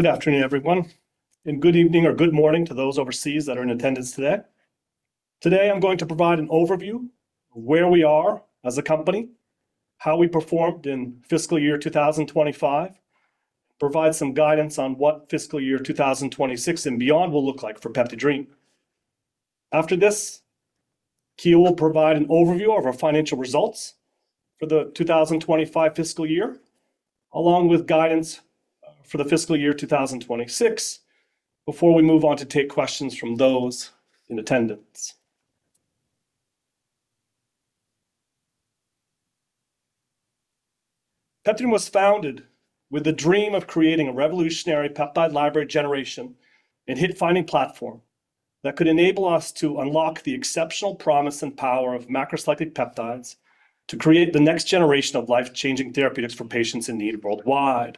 Good afternoon, everyone, and good evening or good morning to those overseas that are in attendance today. Today, I'm going to provide an overview of where we are as a company, how we performed in fiscal year 2025, provide some guidance on what fiscal year 2026 and beyond will look like for PeptiDream. After this, Ki will provide an overview of our financial results for the 2025 fiscal year, along with guidance for the fiscal year 2026, before we move on to take questions from those in attendance. PeptiDream was founded with the dream of creating a revolutionary peptide library generation and hit-finding platform that could enable us to unlock the exceptional promise and power of macrocyclic peptides to create the next generation of life-changing therapeutics for patients in need worldwide.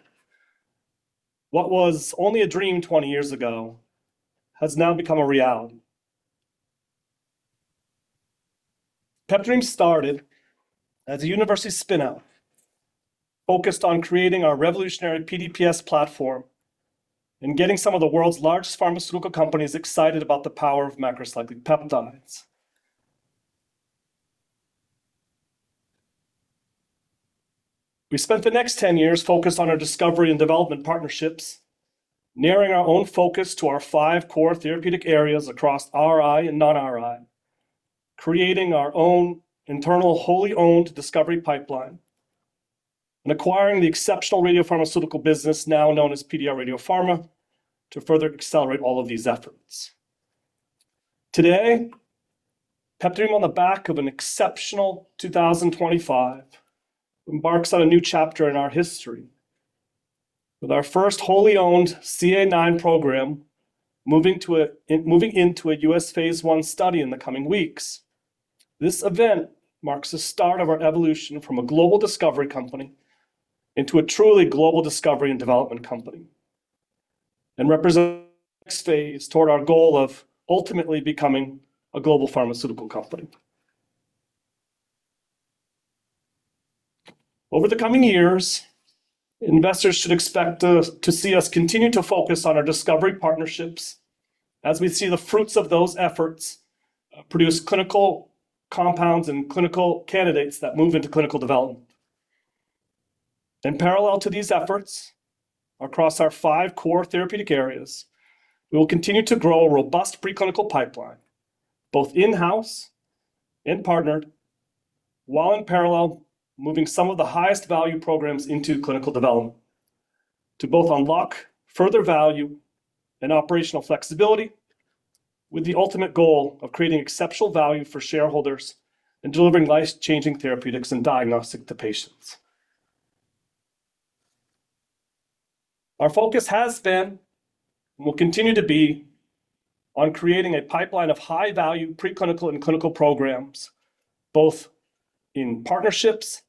What was only a dream 20 years ago has now become a reality. PeptiDream started as a university spin-out, focused on creating our revolutionary PDPS platform and getting some of the world's largest pharmaceutical companies excited about the power of macrocyclic peptides. We spent the next 10 years focused on our discovery and development partnerships, narrowing our own focus to our 5 core therapeutic areas across RI and non-RI, creating our own internal wholly-owned discovery pipeline and acquiring the exceptional radiopharmaceutical business, now known as PDRadiopharma, to further accelerate all of these efforts. Today, PeptiDream, on the back of an exceptional 2025, embarks on a new chapter in our history. With our first wholly-owned CA9 program, moving into a U.S. phase 1 study in the coming weeks, this event marks the start of our evolution from a global discovery company into a truly global discovery and development company, and represents phase toward our goal of ultimately becoming a global pharmaceutical company. Over the coming years, investors should expect us, to see us continue to focus on our discovery partnerships as we see the fruits of those efforts, produce clinical compounds and clinical candidates that move into clinical development. In parallel to these efforts, across our five core therapeutic areas, we will continue to grow a robust preclinical pipeline, both in-house and partnered, while in parallel, moving some of the highest value programs into clinical development to both unlock further value and operational flexibility, with the ultimate goal of creating exceptional value for shareholders and delivering life-changing therapeutics and diagnostic to patients. Our focus has been, and will continue to be, on creating a pipeline of high-value preclinical and clinical programs, both in partnerships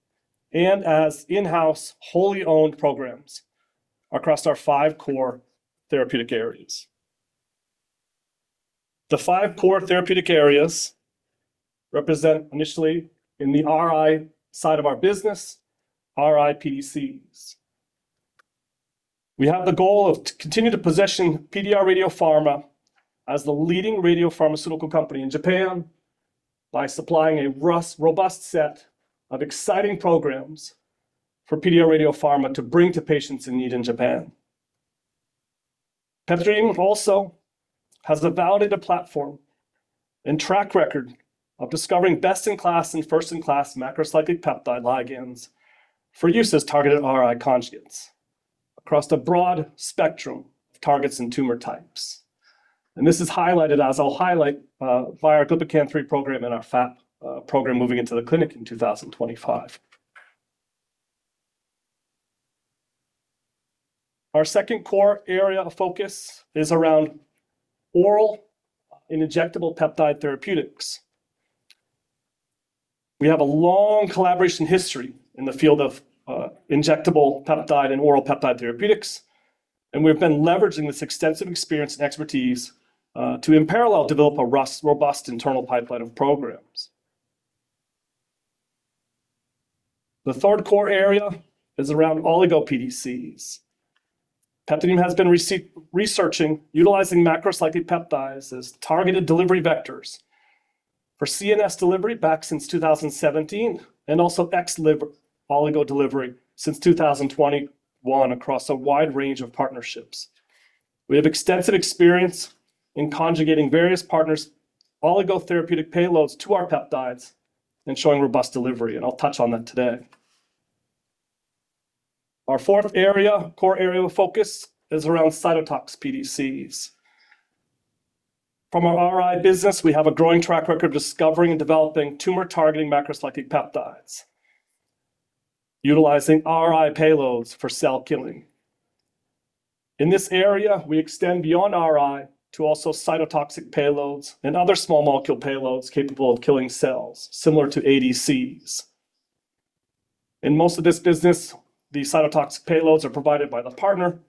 and as in-house, wholly-owned programs across our five core therapeutic areas. The five core therapeutic areas represent, initially, in the RI side of our business, RI-PDCs. We have the goal of continue to positioning PDRadiopharma as the leading radiopharmaceutical company in Japan by supplying a robust set of exciting programs for PDRadiopharma to bring to patients in need in Japan. PeptiDream also has a validated platform and track record of discovering best-in-class and first-in-class macrocyclic peptide ligands for use as targeted RI conjugates across a broad spectrum of targets and tumor types. And this is highlighted, as I'll highlight, via our Glypican-3 program and our FAP program moving into the clinic in 2025. Our second core area of focus is around oral and injectable peptide therapeutics. We have a long collaboration history in the field of injectable peptide and oral peptide therapeutics, and we've been leveraging this extensive experience and expertise to, in parallel, develop a robust internal pipeline of programs. The third core area is around Oligo-PDCs. PeptiDream has been researching, utilizing macrocyclic peptides as targeted delivery vectors for CNS delivery back since 2017, and also extrahepatic oligo delivery since 2021 across a wide range of partnerships. We have extensive experience in conjugating various partners' oligo therapeutic payloads to our peptides and showing robust delivery, and I'll touch on that today. Our fourth area, core area of focus is around cytotoxic PDCs. From our RI business, we have a growing track record of discovering and developing tumor-targeting macrocyclic peptides, utilizing RI payloads for cell killing. In this area, we extend beyond RI to also cytotoxic payloads and other small molecule payloads capable of killing cells, similar to ADCs. In most of this business, the cytotoxic payloads are provided by the partner,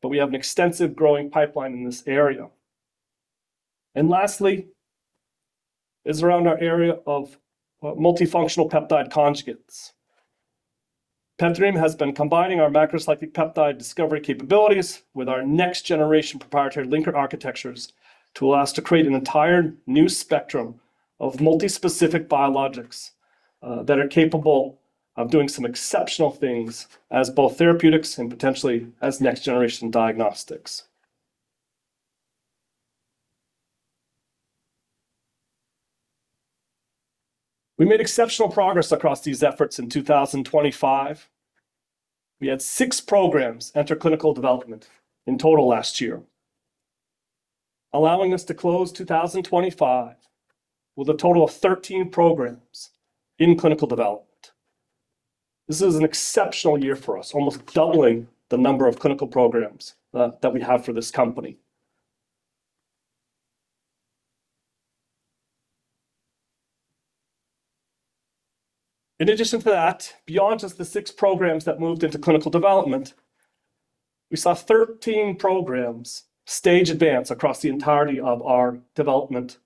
but we have an extensive growing pipeline in this area. And lastly... is around our area of multifunctional peptide conjugates. PeptiDream has been combining our macrocyclic peptide discovery capabilities with our next-generation proprietary linker architectures to allow us to create an entire new spectrum of multi-specific biologics, that are capable of doing some exceptional things as both therapeutics and potentially as next-generation diagnostics. We made exceptional progress across these efforts in 2025. We had six programs enter clinical development in total last year, allowing us to close 2025 with a total of 13 programs in clinical development. This is an exceptional year for us, almost doubling the number of clinical programs, that we have for this company. In addition to that, beyond just the six programs that moved into clinical development, we saw 13 programs stage advance across the entirety of our development,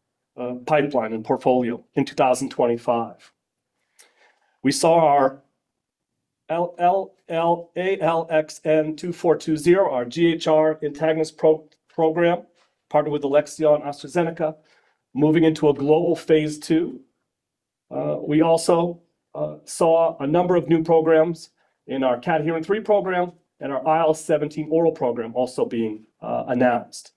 pipeline and portfolio in 2025. We saw our ALXN2040, our GHR antagonist program, partnered with Alexion AstraZeneca, moving into a global phase II. We also saw a number of new programs in our Cadherin-3 program and our IL-17 oral program also being announced.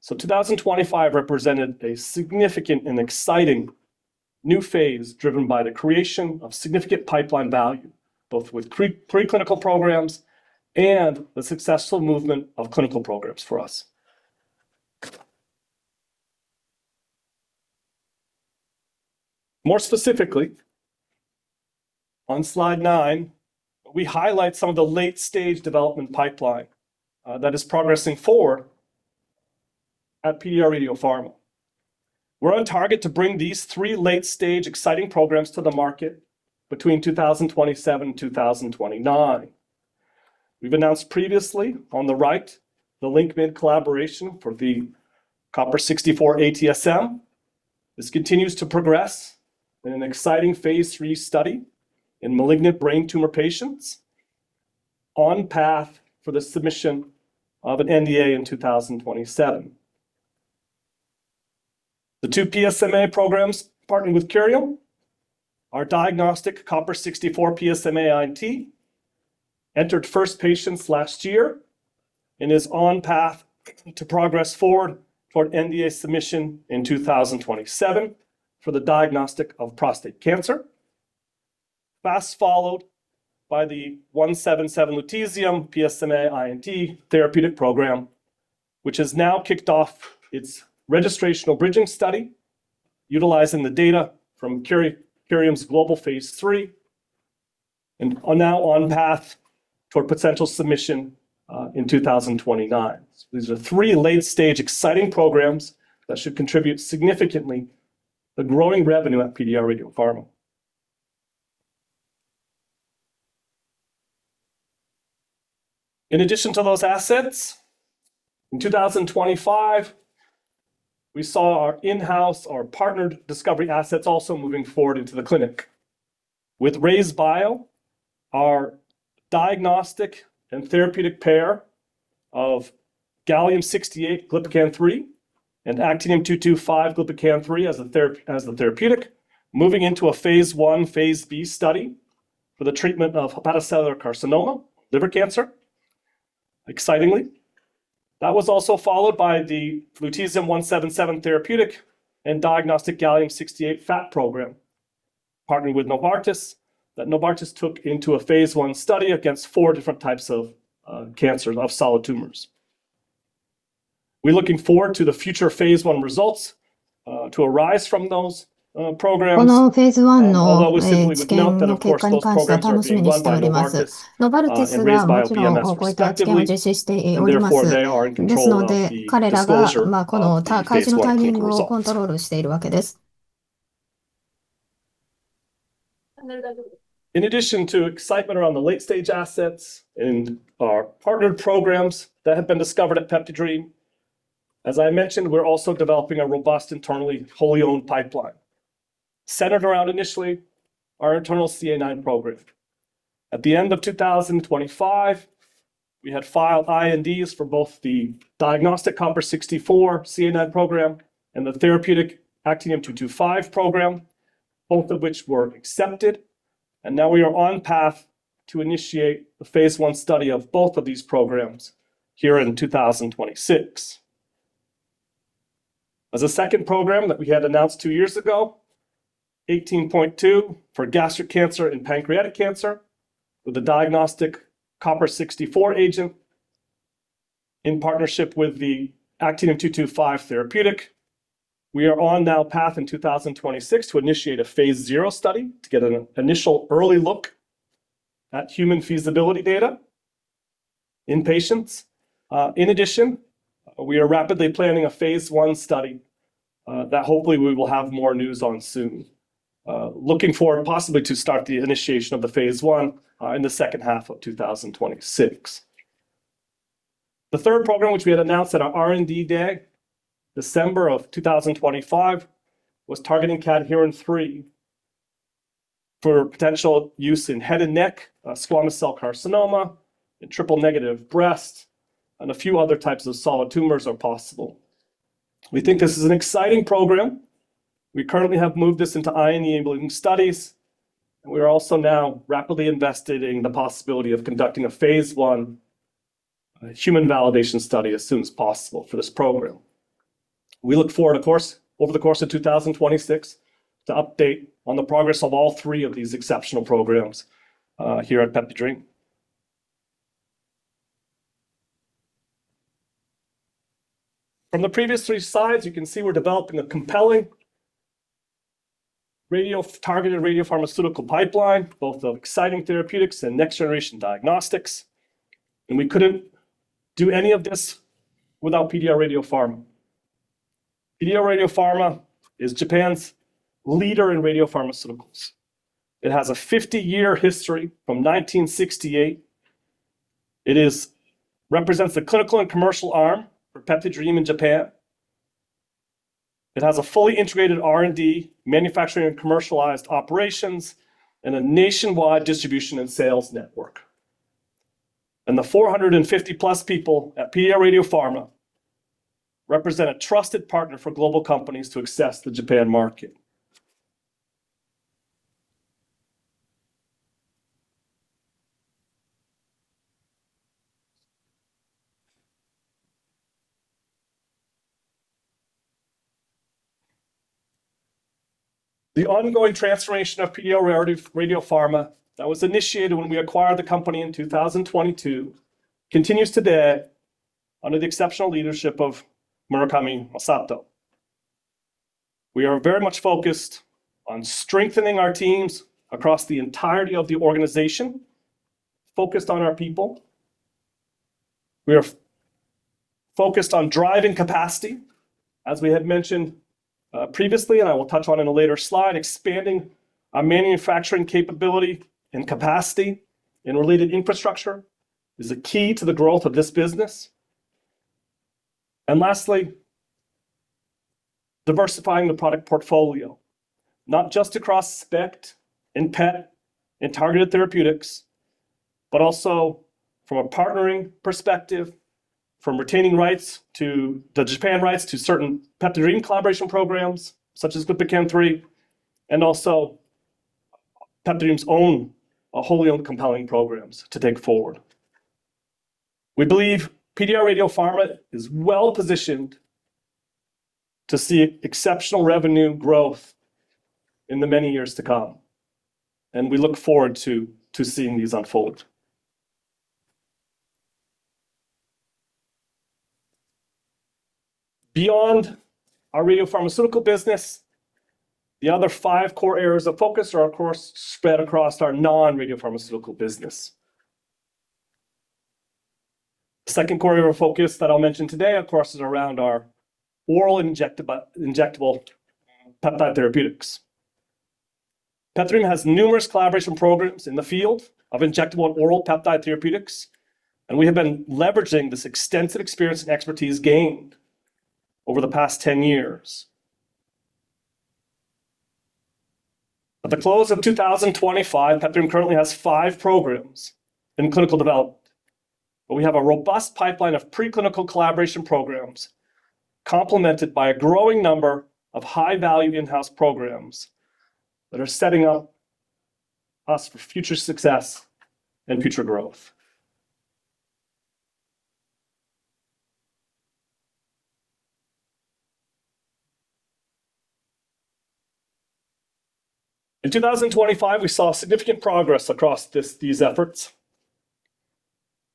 So 2025 represented a significant and exciting new phase, driven by the creation of significant pipeline value, both with preclinical programs and the successful movement of clinical programs for us. More specifically, on slide 9, we highlight some of the late-stage development pipeline that is progressing forward at PDRadiopharma. We're on target to bring these three late-stage exciting programs to the market between 2027 and 2029. We've announced previously on the right, the LinqMed collaboration for the 64Cu-ATSM. This continues to progress in an exciting phase III study in malignant brain tumor patients on path for the submission of an NDA in 2027. The two PSMA programs, partnered with Curium, our diagnostic 64Cu-PSMA-I&T, entered first patients last year and is on path to progress forward toward NDA submission in 2027 for the diagnostic of prostate cancer. Fast followed by the 177Lu-PSMA-I&T therapeutic program, which has now kicked off its registrational bridging study, utilizing the data from Curium's global phase III, and are now on path for potential submission in 2029. These are three late-stage exciting programs that should contribute significantly to the growing revenue at PDRadiopharma. In addition to those assets, in 2025, we saw our in-house, our partnered discovery assets also moving forward into the clinic. With RayzeBio, our diagnostic and therapeutic pair of Gallium-68, Glypican-3 and Actinium-225, Glypican-3 as the therapeutic, moving into a Phase I, Phase II study for the treatment of hepatocellular carcinoma, liver cancer. Excitingly, that was also followed by the Lutetium-177 therapeutic and diagnostic Gallium-68 FAP program, partnering with Novartis, that Novartis took into a Phase I study against 4 different types of cancers of solid tumors. We're looking forward to the future Phase I results to arise from those programs. And although we simply would note that, of course, those programs are being run by Novartis and RayzeBio PMS effectively, and therefore they are in control of the disclosure of the phase I results. In addition to excitement around the late-stage assets and our partnered programs that have been discovered at PeptiDream, as I mentioned, we're also developing a robust, internally wholly owned pipeline, centered around initially our internal CA9 program. At the end of 2025, we had filed INDs for both the diagnostic 64Cu-CA9 program and the therapeutic 225Ac-CA9 program, both of which were accepted, and now we are on path to initiate the phase I study of both of these programs here in 2026. As a second program that we had announced two years ago, Claudin-18.2 for gastric cancer and pancreatic cancer, with a diagnostic 64Cu agent in partnership with the 225Ac therapeutic. We are on track now in 2026 to initiate a phase I study to get an initial early look at human feasibility data in patients. In addition, we are rapidly planning a phase I study that hopefully we will have more news on soon. Looking forward, possibly to start the initiation of the phase I in the second half of 2026. The third program, which we had announced at our R&D Day, December of 2025, was targeting CDH3 for potential use in head and neck squamous cell carcinoma, and triple-negative breast, and a few other types of solid tumors are possible. We think this is an exciting program. We currently have moved this into IND-enabling studies, and we are also now rapidly investigating the possibility of conducting a phase 1 human validation study as soon as possible for this program. We look forward, of course, over the course of 2026, to update on the progress of all three of these exceptional programs here at PeptiDream. From the previous three slides, you can see we're developing a compelling radio-targeted radiopharmaceutical pipeline, both of exciting therapeutics and next-generation diagnostics, and we couldn't do any of this without PDRadiopharma. PDRadiopharma is Japan's leader in radiopharmaceuticals. It has a 50-year history from 1968. It represents the clinical and commercial arm for PeptiDream in Japan. It has a fully integrated R&D, manufacturing, and commercialized operations, and a nationwide distribution and sales network. The 450+ people at PDRadiopharma represent a trusted partner for global companies to access the Japan market. The ongoing transformation of PDRadiopharma that was initiated when we acquired the company in 2022 continues today under the exceptional leadership of Murakami Masato. We are very much focused on strengthening our teams across the entirety of the organization, focused on our people. We are focused on driving capacity, as we had mentioned, previously, and I will touch on in a later slide, expanding our manufacturing capability and capacity and related infrastructure is a key to the growth of this business. Lastly, diversifying the product portfolio, not just across SPECT and PET and targeted therapeutics, but also from a partnering perspective, from retaining rights to the Japan rights to certain PeptiDream collaboration programs, such as Glypican-3, and also PeptiDream's own wholly owned compelling programs to take forward. We believe PDRadiopharma is well-positioned to see exceptional revenue growth in the many years to come, and we look forward to seeing these unfold. Beyond our radiopharmaceutical business, the other 5 core areas of focus are, of course, spread across our non-radiopharmaceutical business. Second core area of focus that I'll mention today, of course, is around our oral injectable peptide therapeutics. PeptiDream has numerous collaboration programs in the field of injectable and oral peptide therapeutics, and we have been leveraging this extensive experience and expertise gained over the past 10 years. At the close of 2025, PeptiDream currently has five programs in clinical development, but we have a robust pipeline of preclinical collaboration programs, complemented by a growing number of high-value in-house programs that are setting us up for future success and future growth. In 2025, we saw significant progress across these efforts,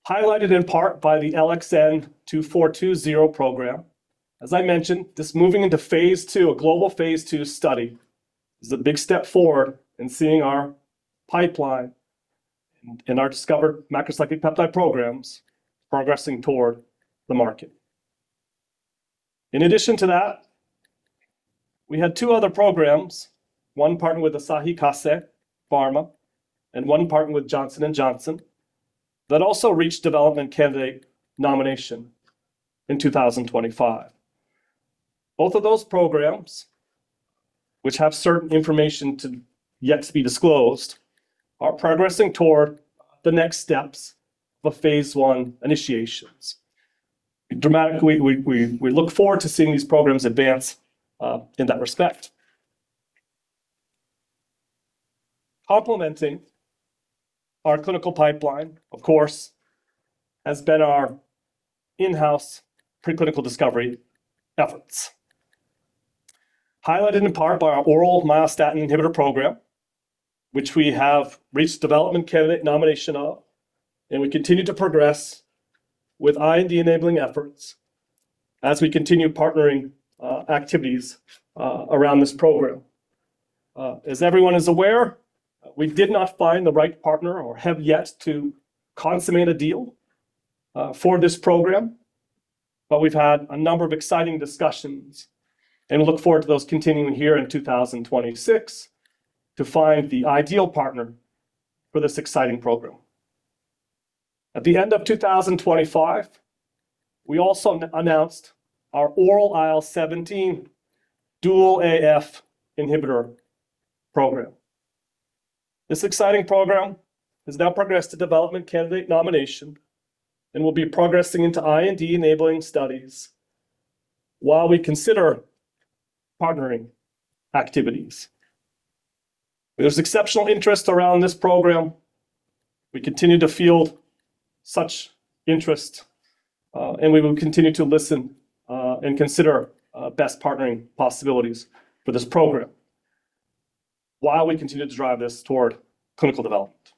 highlighted in part by the ALXN2040 program. As I mentioned, this moving into phase II, a global phase II study, is a big step forward in seeing our pipeline and our discovered macrocyclic peptide programs progressing toward the market. In addition to that, we had two other programs, one partnered with Asahi Kasei Pharma and one partnered with Johnson & Johnson, that also reached development candidate nomination in 2025. Both of those programs, which have certain information to yet to be disclosed, are progressing toward the next steps of phase I initiations. Dramatically, we look forward to seeing these programs advance in that respect. Complementing our clinical pipeline, of course, has been our in-house preclinical discovery efforts. Highlighted in part by our oral myostatin inhibitor program, which we have reached development candidate nomination on, and we continue to progress with IND-enabling efforts as we continue partnering activities around this program. As everyone is aware, we did not find the right partner or have yet to consummate a deal for this program... But we've had a number of exciting discussions, and we look forward to those continuing here in 2026 to find the ideal partner for this exciting program. At the end of 2025, we also announced our oral IL-17 dual AF inhibitor program. This exciting program has now progressed to development candidate nomination and will be progressing into IND-enabling studies while we consider partnering activities. There's exceptional interest around this program. We continue to field such interest, and we will continue to listen, and consider, best partnering possibilities for this program, while we continue to drive this toward clinical development.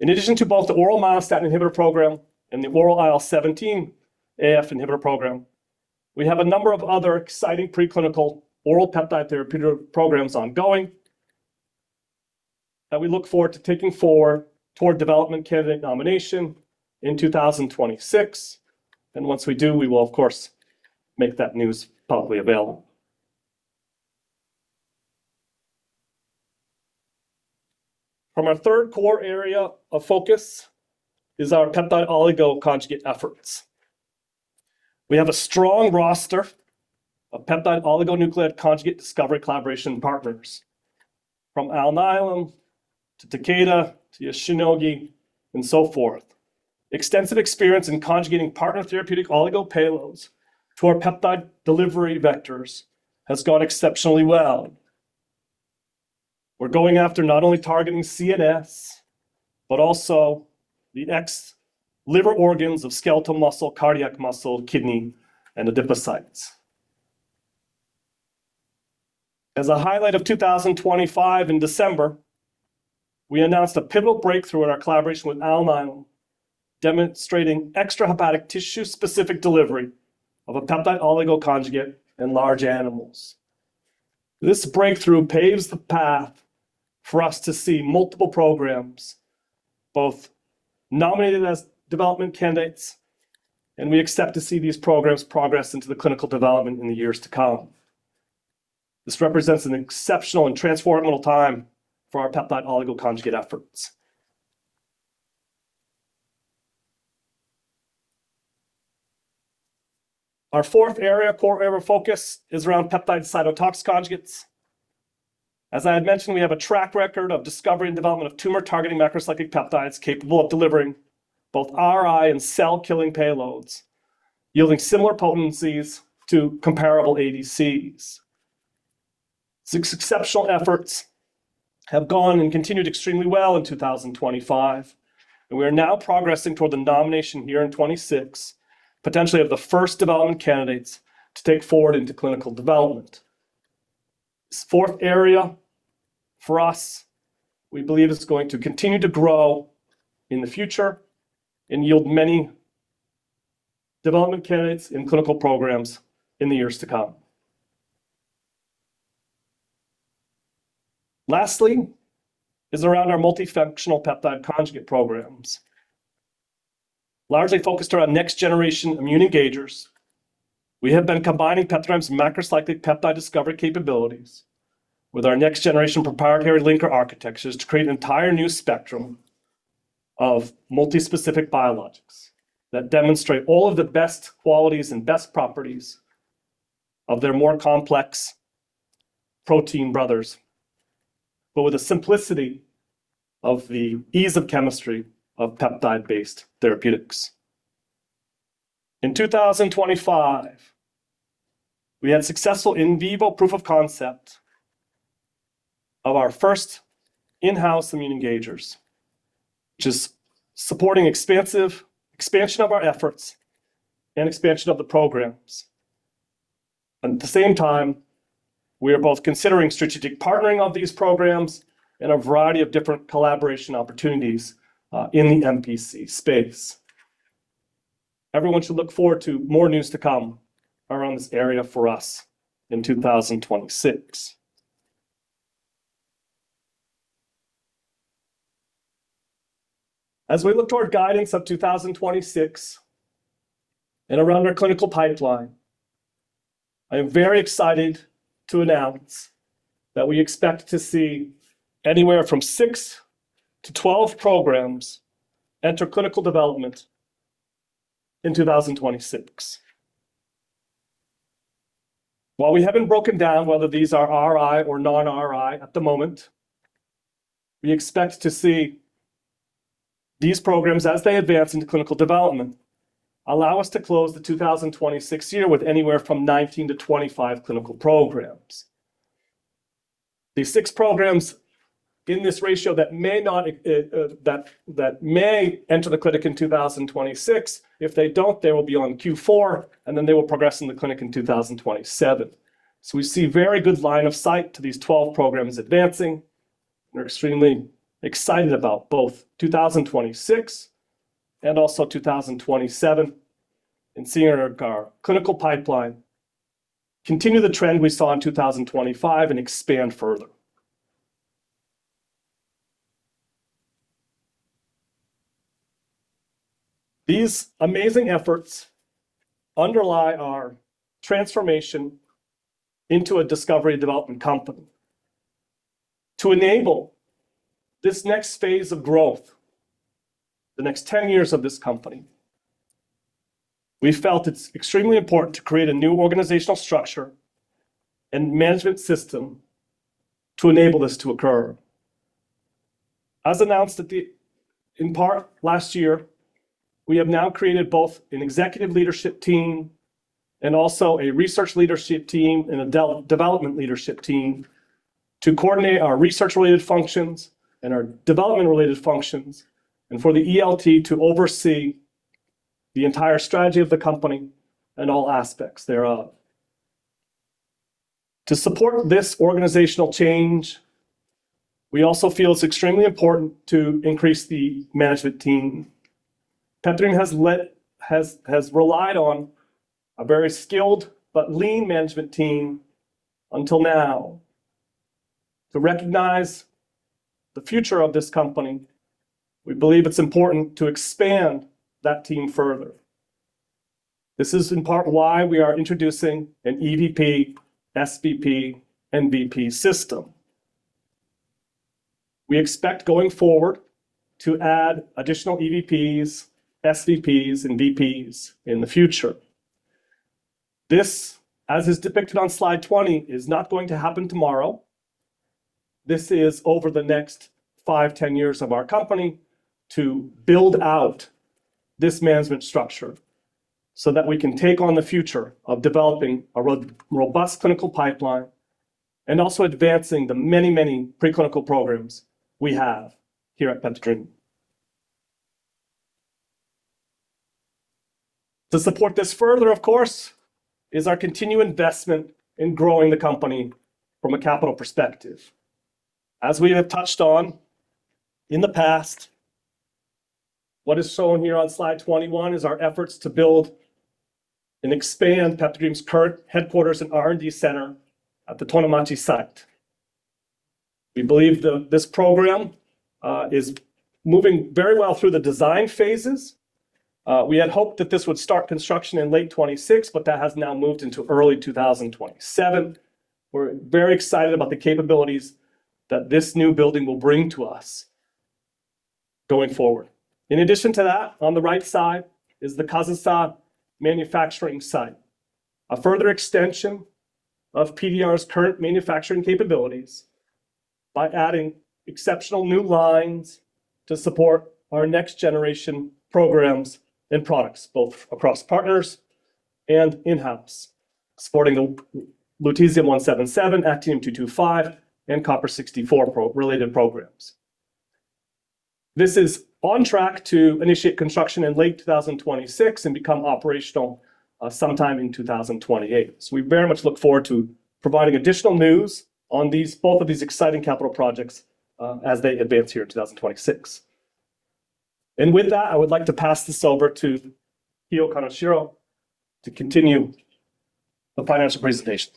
In addition to both the oral myostatin inhibitor program and the oral IL-17A/F inhibitor program, we have a number of other exciting preclinical oral peptide therapeutic programs ongoing that we look forward to taking forward toward development candidate nomination in 2026, and once we do, we will, of course, make that news publicly available. Our third core area of focus is our peptide oligo conjugate efforts. We have a strong roster of peptide oligonucleotide conjugate discovery collaboration partners, from Alnylam to Takeda to Shionogi and so forth. Extensive experience in conjugating partner therapeutic oligo payloads to our peptide delivery vectors has gone exceptionally well. We're going after not only targeting CNS, but also the extrahepatic organs of skeletal muscle, cardiac muscle, kidney, and adipocytes. As a highlight of 2025, in December, we announced a pivotal breakthrough in our collaboration with Alnylam, demonstrating extrahepatic tissue-specific delivery of a peptide oligo conjugate in large animals. This breakthrough paves the path for us to see multiple programs, both nominated as development candidates, and we expect to see these programs progress into the clinical development in the years to come. This represents an exceptional and transformative time for our peptide oligo conjugate efforts. Our fourth area, core area of focus is around peptide cytotoxin conjugates. As I had mentioned, we have a track record of discovery and development of tumor-targeting macrocyclic peptides capable of delivering both RI and cell-killing payloads, yielding similar potencies to comparable ADCs. These exceptional efforts have gone and continued extremely well in 2025, and we are now progressing toward the nomination year in 2026, potentially of the first development candidates to take forward into clinical development. This fourth area for us, we believe, is going to continue to grow in the future and yield many development candidates in clinical programs in the years to come. Lastly, is around our multifunctional peptide conjugate programs, largely focused around next-generation immune engagers. We have been combining PeptiDream's macrocyclic peptide discovery capabilities with our next-generation proprietary linker architectures to create an entire new spectrum of multispecific biologics that demonstrate all of the best qualities and best properties of their more complex protein brothers, but with the simplicity of the ease of chemistry of peptide-based therapeutics. In 2025, we had a successful in vivo proof of concept of our first in-house immune engagers, which is supporting expansion of our efforts and expansion of the programs. At the same time, we are both considering strategic partnering of these programs and a variety of different collaboration opportunities, in the MPC space. Everyone should look forward to more news to come around this area for us in 2026. As we look toward guidance of 2026 and around our clinical pipeline, I am very excited to announce that we expect to see anywhere from 6-12 programs enter clinical development in 2026. While we haven't broken down whether these are RI or non-RI at the moment, we expect to see these programs, as they advance into clinical development, allow us to close the 2026 year with anywhere from 19-25 clinical programs. These six programs in this ratio that may enter the clinic in 2026, if they don't, they will be on Q4, and then they will progress in the clinic in 2027. So we see very good line of sight to these 12 programs advancing. We're extremely excited about both 2026 and also 2027, and seeing our, our clinical pipeline continue the trend we saw in 2025 and expand further.... These amazing efforts underlie our transformation into a discovery development company. To enable this next phase of growth, the next 10 years of this company, we felt it's extremely important to create a new organizational structure and management system to enable this to occur. As announced at the, in part last year, we have now created both an executive leadership team and also a research leadership team and a development leadership team to coordinate our research-related functions and our development-related functions, and for the ELT to oversee the entire strategy of the company and all aspects thereof. To support this organizational change, we also feel it's extremely important to increase the management team. PeptiDream has relied on a very skilled but lean management team until now. To recognize the future of this company, we believe it's important to expand that team further. This is in part why we are introducing an EVP, SVP, and VP system. We expect, going forward, to add additional EVPs, SVPs, and VPs in the future. This, as is depicted on slide 20, is not going to happen tomorrow. This is over the next five, 10 years of our company to build out this management structure so that we can take on the future of developing a robust clinical pipeline and also advancing the many, many preclinical programs we have here at PeptiDream. To support this further, of course, is our continued investment in growing the company from a capital perspective. As we have touched on in the past, what is shown here on slide 21 is our efforts to build and expand PeptiDream's current headquarters and R&D center at the Tonomachi site. We believe the, this program, is moving very well through the design phases. We had hoped that this would start construction in late 2026, but that has now moved into early 2027. We're very excited about the capabilities that this new building will bring to us going forward. In addition to that, on the right side is the Kazusa manufacturing site, a further extension of PDR's current manufacturing capabilities by adding exceptional new lines to support our next-generation programs and products, both across partners and in-house, supporting the Lutetium-177, Actinium-225, and Copper-64 pro- related programs. This is on track to initiate construction in late 2026 and become operational sometime in 2028. So we very much look forward to providing additional news on both of these exciting capital projects as they advance here in 2026. With that, I would like to pass this over to Kiyo Kaneshiro to continue the financial presentation.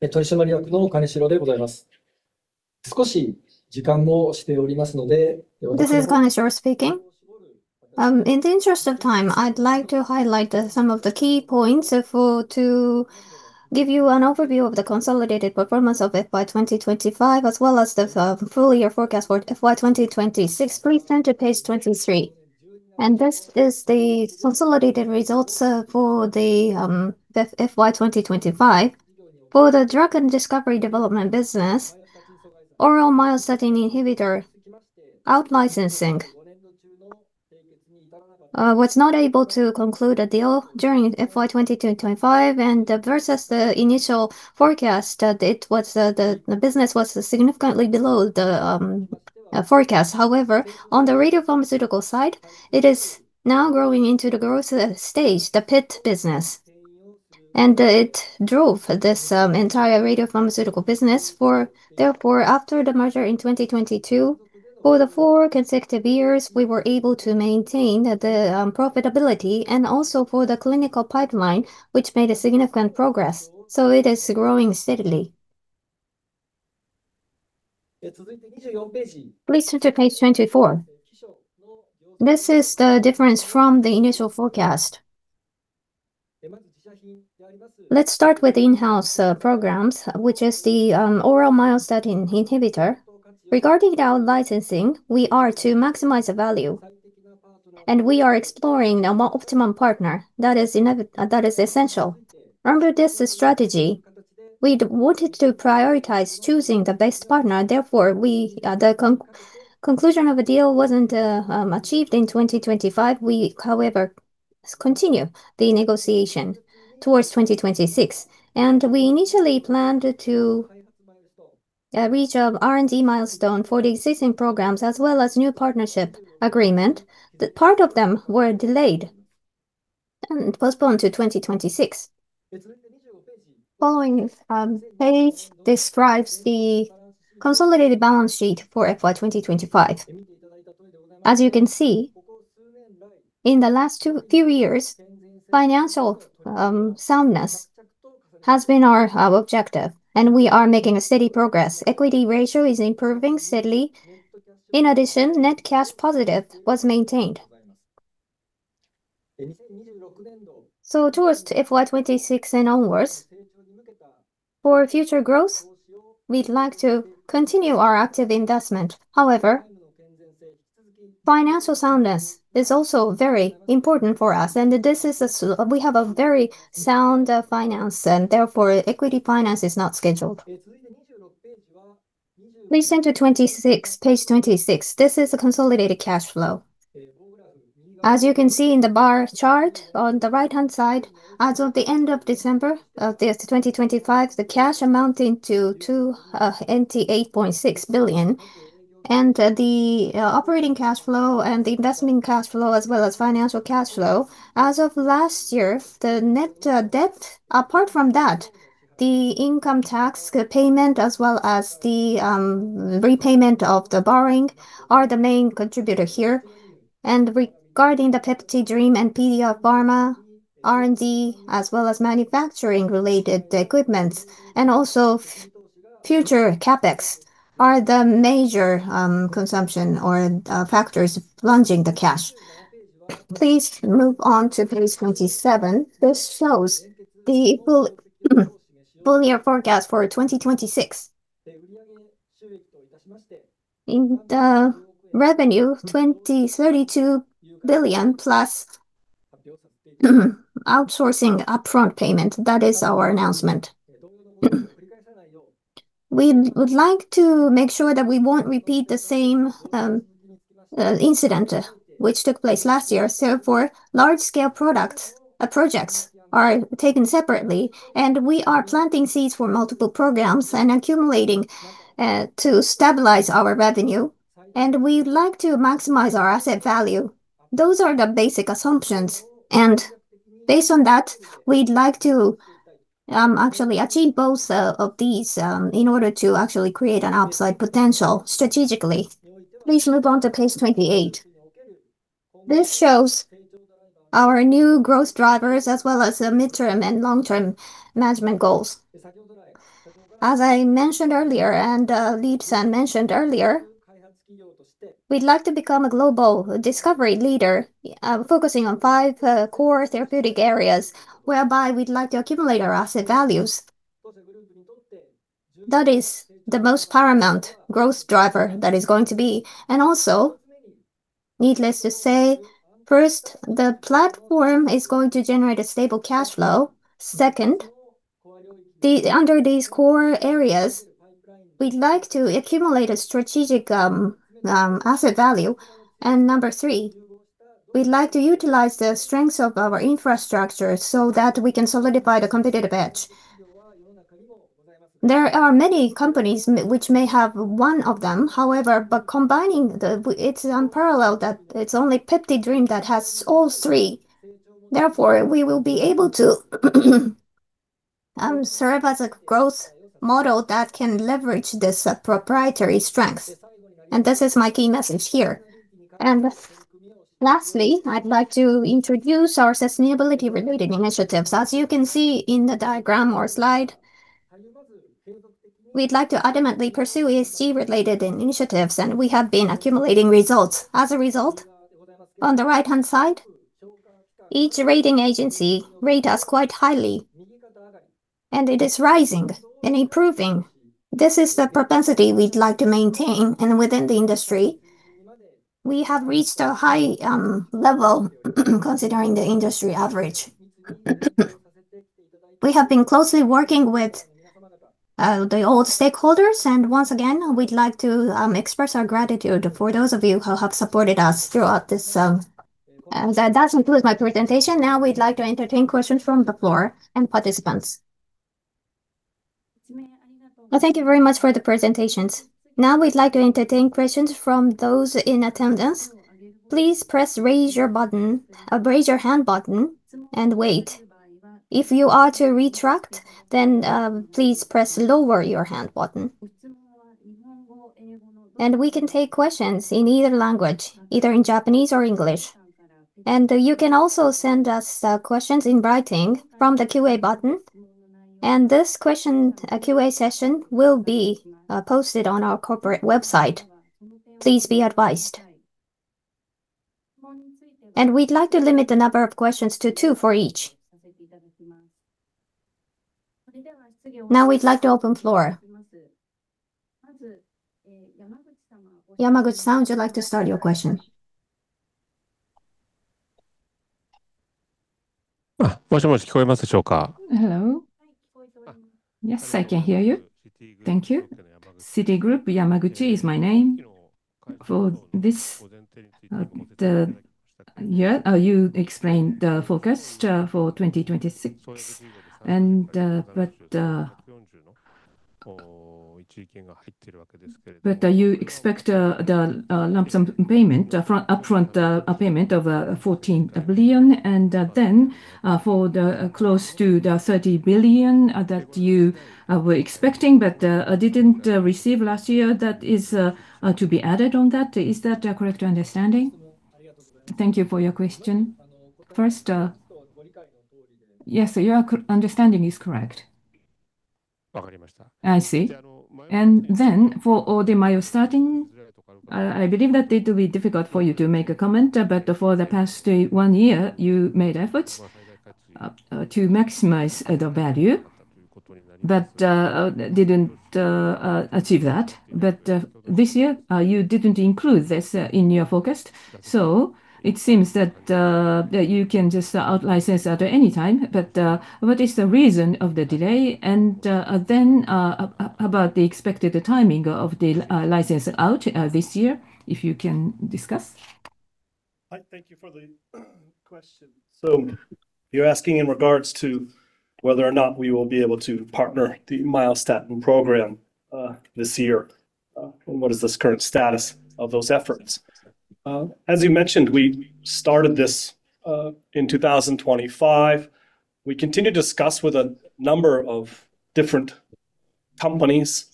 This is Kaneshiro speaking. In the interest of time, I'd like to highlight some of the key points to give you an overview of the consolidated performance of FY 2025, as well as the full year forecast for FY 2026. Please turn to page 23. This is the consolidated results for the FY 2025. For the drug and discovery development business, oral myostatin Inhibitor out-licensing was not able to conclude a deal during FY 2025, and versus the initial forecast that it was, the business was significantly below the forecast. However, on the radiopharmaceutical side, it is now growing into the growth stage, the PET business, and it drove this entire radiopharmaceutical business for... Therefore, after the merger in 2022, for the four consecutive years, we were able to maintain the profitability and also for the clinical pipeline, which made a significant progress, so it is growing steadily. Please turn to page 24. This is the difference from the initial forecast. Let's start with in-house programs, which is the oral myostatin inhibitor. Regarding the out-licensing, we are to maximize the value, and we are exploring a more optimum partner. That is essential. Under this strategy, we'd wanted to prioritize choosing the best partner. Therefore, we the conclusion of a deal wasn't achieved in 2025. We, however, continue the negotiation towards 2026, and we initially planned to reach an R&D milestone for the existing programs, as well as new partnership agreement. That part of them were delayed and postponed to 2026. Following, page describes the consolidated balance sheet for FY 2025. As you can see. In the last two few years, financial soundness has been our objective, and we are making a steady progress. Equity ratio is improving steadily. In addition, net cash positive was maintained. So towards FY 2026 and onwards, for future growth, we'd like to continue our active investment. However, financial soundness is also very important for us, and this is a we have a very sound finance, and therefore, equity finance is not scheduled. Please turn to 26, page 26. This is a consolidated cash flow. As you can see in the bar chart on the right-hand side, as of the end of December of this 2025, the cash amounting to JPY 288.6 billion, and the operating cash flow and the investment cash flow, as well as financial cash flow, as of last year, the net debt. Apart from that, the income tax payment, as well as the repayment of the borrowing, are the main contributor here. Regarding the PeptiDream and PDRadiopharma, R&D, as well as manufacturing-related equipment, and also future CapEx, are the major consumption or factors plunging the cash. Please move on to page 27. This shows the full year forecast for 2026. In the revenue, 32 billion plus outsourcing upfront payment, that is our announcement. We would like to make sure that we won't repeat the same incident which took place last year. So for large-scale products, projects are taken separately, and we are planting seeds for multiple programs and accumulating to stabilize our revenue, and we'd like to maximize our asset value. Those are the basic assumptions, and based on that, we'd like to actually achieve both of these in order to actually create an upside potential strategically. Please move on to page 28. This shows our new growth drivers, as well as the midterm and long-term management goals. As I mentioned earlier, and Reid mentioned earlier, we'd like to become a global discovery leader focusing on five core therapeutic areas, whereby we'd like to accumulate our asset values. That is the most paramount growth driver that is going to be. Also, needless to say, first, the platform is going to generate a stable cashflow. Second, under these core areas, we'd like to accumulate a strategic asset value. Number three, we'd like to utilize the strengths of our infrastructure so that we can solidify the competitive edge. There are many companies which may have one of them, however, but combining the it's unparalleled that it's only PeptiDream that has all three. Therefore, we will be able to serve as a growth model that can leverage this proprietary strength, and this is my key message here. Lastly, I'd like to introduce our sustainability-related initiatives. As you can see in the diagram or slide, we'd like to ultimately pursue ESG-related initiatives, and we have been accumulating results. As a result, on the right-hand side, each rating agency rate us quite highly, and it is rising and improving. This is the propensity we'd like to maintain, and within the industry, we have reached a high level, considering the industry average. We have been closely working with the old stakeholders, and once again, we'd like to express our gratitude for those of you who have supported us throughout this... And that concludes my presentation. Now, we'd like to entertain questions from the floor and participants. Well, thank you very much for the presentations. Now, we'd like to entertain questions from those in attendance. Please press Raise Your button, Raise Your Hand button and wait. If you are to retract, then please press Lower Your Hand button. And we can take questions in either language, either in Japanese or English. You can also send us questions in writing from the Q&A button, and this Q&A session will be posted on our corporate website. Please be advised. We'd like to limit the number of questions to two for each. Now, we'd like to open floor. Yamaguchi-san, would you like to start your question? Uh, hello. Yes, I can hear you. Thank you. Citigroup, Yamaguchi is my name. For this, yeah, you explained the forecast for 2026, and but, but you expect the lump sum payment, front, upfront, payment of 14 billion, and then for the close to the 30 billion that you were expecting but didn't receive last year, that is to be added on that. Is that a correct understanding? Thank you for your question. First,... Yes, your understanding is correct. I see. And then for all the myostatin, I believe that it will be difficult for you to make a comment, but for the past one year, you made efforts to maximize the value, but didn't achieve that. But this year, you didn't include this in your forecast, so it seems that you can just outlicense at any time. But what is the reason of the delay, and then about the expected timing of the license out this year, if you can discuss? I thank you for the question. So you're asking in regards to whether or not we will be able to partner the myostatin program, this year, and what is the current status of those efforts? As you mentioned, we started this, in 2025. We continue to discuss with a number of different companies.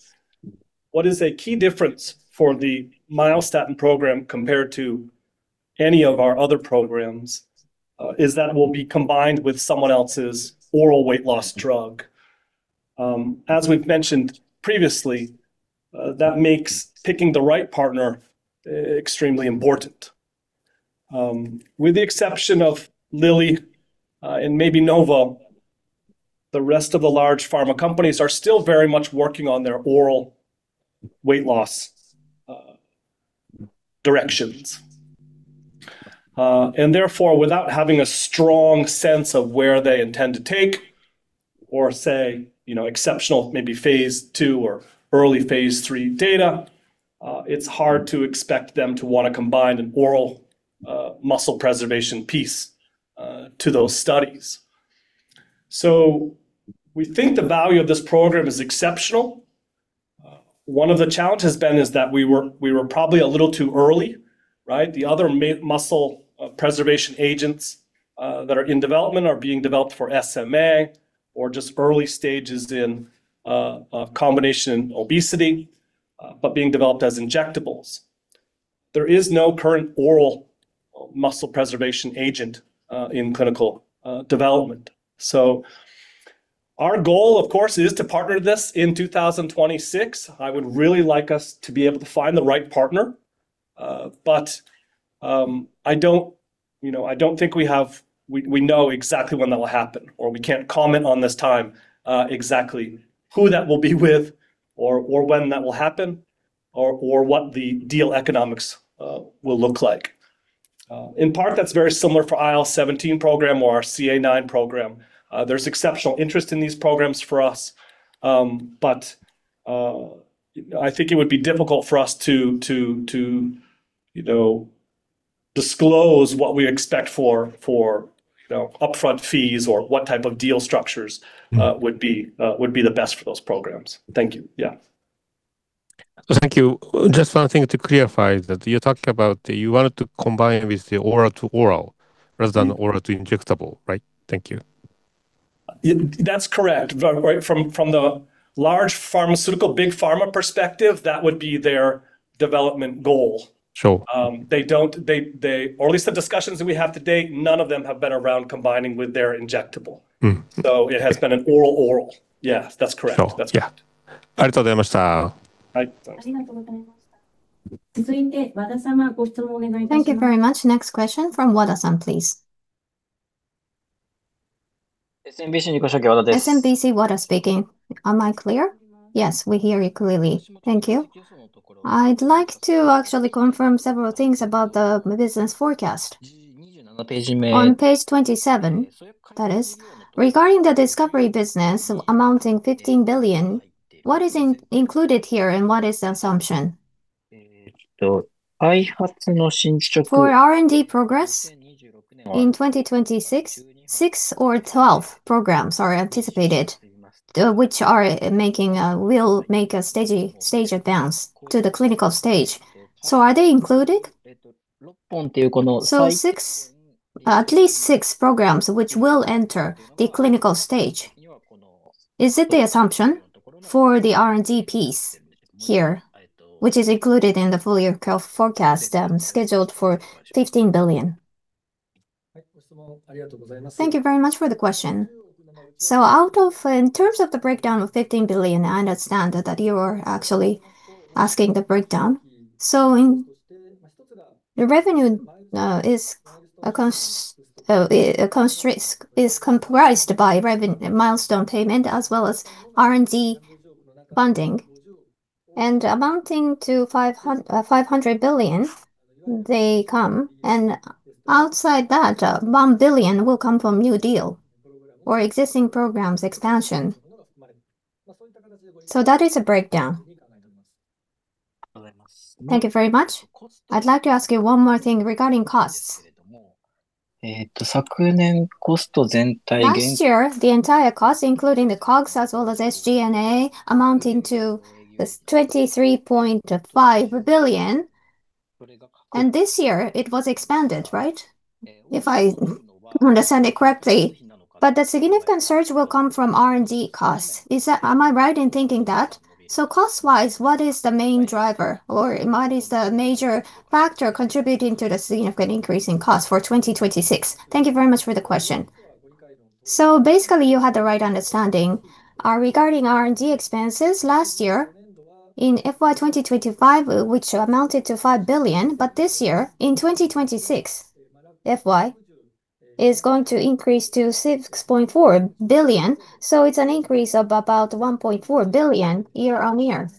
What is a key difference for the myostatin program compared to any of our other programs, is that it will be combined with someone else's oral weight loss drug. As we've mentioned previously, that makes picking the right partner, extremely important. With the exception of Lilly, and maybe Novo, the rest of the large pharma companies are still very much working on their oral weight loss, directions. And therefore, without having a strong sense of where they intend to take or say, you know, exceptional, maybe phase II or early phase III data, it's hard to expect them to want to combine an oral muscle preservation piece to those studies. So we think the value of this program is exceptional. One of the challenges has been is that we were probably a little too early, right? The other muscle preservation agents that are in development are being developed for SMA or just early stages in combination obesity, but being developed as injectables. There is no current oral muscle preservation agent in clinical development. So our goal, of course, is to partner this in 2026. I would really like us to be able to find the right partner, but I don't, you know, I don't think we have... We know exactly when that will happen, or we can't comment at this time, exactly who that will be with, or when that will happen, or what the deal economics will look like. In part, that's very similar for the IL-17 program or our CA9 program. There's exceptional interest in these programs for us, but I think it would be difficult for us to, you know, disclose what we expect for, you know, upfront fees or what type of deal structures- Mm-hmm... would be, would be the best for those programs. Thank you. Yeah. Thank you. Just one thing to clarify, that you're talking about you wanted to combine with the oral to oral, rather than oral to injectable, right? Thank you. Yeah, that's correct. Right, from the large pharmaceutical, big pharma perspective, that would be their development goal. Sure. They don't. They, or at least the discussions that we have to date, none of them have been around combining with their injectable. Mm. It has been an oral-oral. Yeah, that's correct. Sure. That's right. Yeah. Thank you very much. Next question from Wada-san, please. SMBC Wada speaking. Am I clear? Yes, we hear you clearly. Thank you. I'd like to actually confirm several things about the business forecast. On page 27, that is, regarding the discovery business amounting 15 billion, what is included here, and what is the assumption? For R&D progress in 2026, six or 12 programs are anticipated, which will make a stage advance to the clinical stage. So are they included? So six at least six programs, which will enter the clinical stage. Is it the assumption for the R&D piece here, which is included in the full-year forecast, scheduled for 15 billion? Thank you very much for the question. So in terms of the breakdown of 15 billion, I understand that you are actually asking the breakdown. So the revenue is comprised of milestone payments as well as R&D funding. Amounting to 500 billion, they come, and outside that, one billion will come from new deal or existing programs expansion. So that is the breakdown. Thank you very much. I'd like to ask you one more thing regarding costs. Last year, the entire cost, including the COGS as well as SG&A, amounting to this 23.5 billion, and this year it was expanded, right? If I understand it correctly. But the significant surge will come from R&D costs. Is that... Am I right in thinking that? So cost-wise, what is the main driver, or what is the major factor contributing to the significant increase in cost for 2026? Thank you very much for the question. So basically, you had the right understanding. Regarding R&D expenses, last year in FY 2025, which amounted to 5 billion, but this year, in FY 2026, is going to increase to 6.4 billion. So it's an increase of about 1.4 billion year-on-year.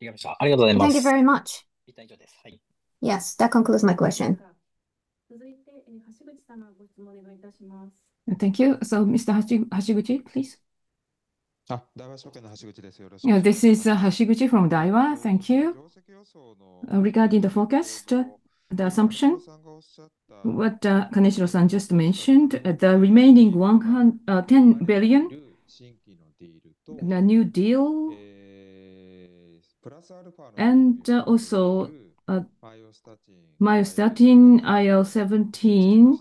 Thank you very much. Yes, that concludes my question. Thank you. So, Mr. Hashiguchi, please. Yeah, this is Hashiguchi from Daiwa. Thank you. Regarding the forecast, the assumption what Kaneshiro-san just mentioned, the remaining 110 billion in a new deal. And also, myostatin IL-17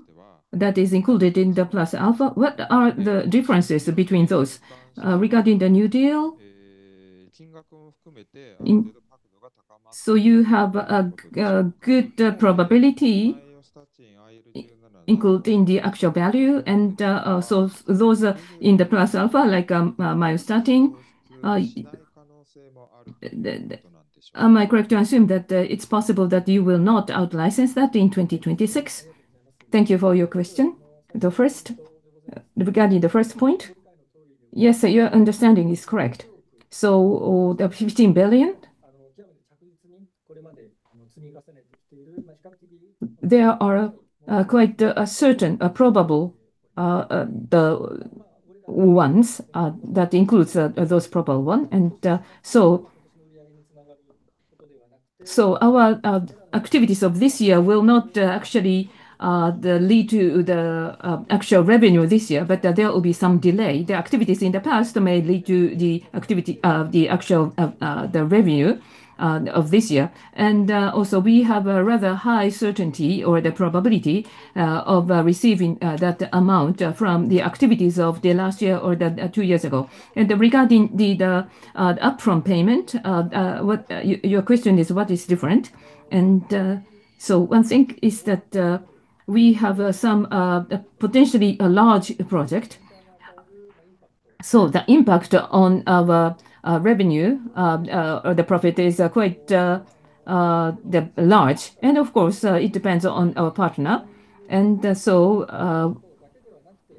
that is included in the plus alpha. What are the differences between those? Regarding the new deal, so you have a good probability including the actual value and so those are in the plus alpha, like myostatin. Am I correct to assume that it's possible that you will not out-license that in 2026? Thank you for your question. The first, regarding the first point, yes, your understanding is correct. So the 15 billion, there are quite certain probable ones that include those probable ones. So our activities of this year will not actually lead to the actual revenue this year, but there will be some delay. The activities in the past may lead to the actual revenue of this year. And also we have a rather high certainty or probability of receiving that amount from the activities of the last year or two years ago. And regarding the upfront payment, what your question is what is different? So one thing is that we have some potentially a large project. So the impact on our revenue or the profit is quite large, and of course, it depends on our partner. So,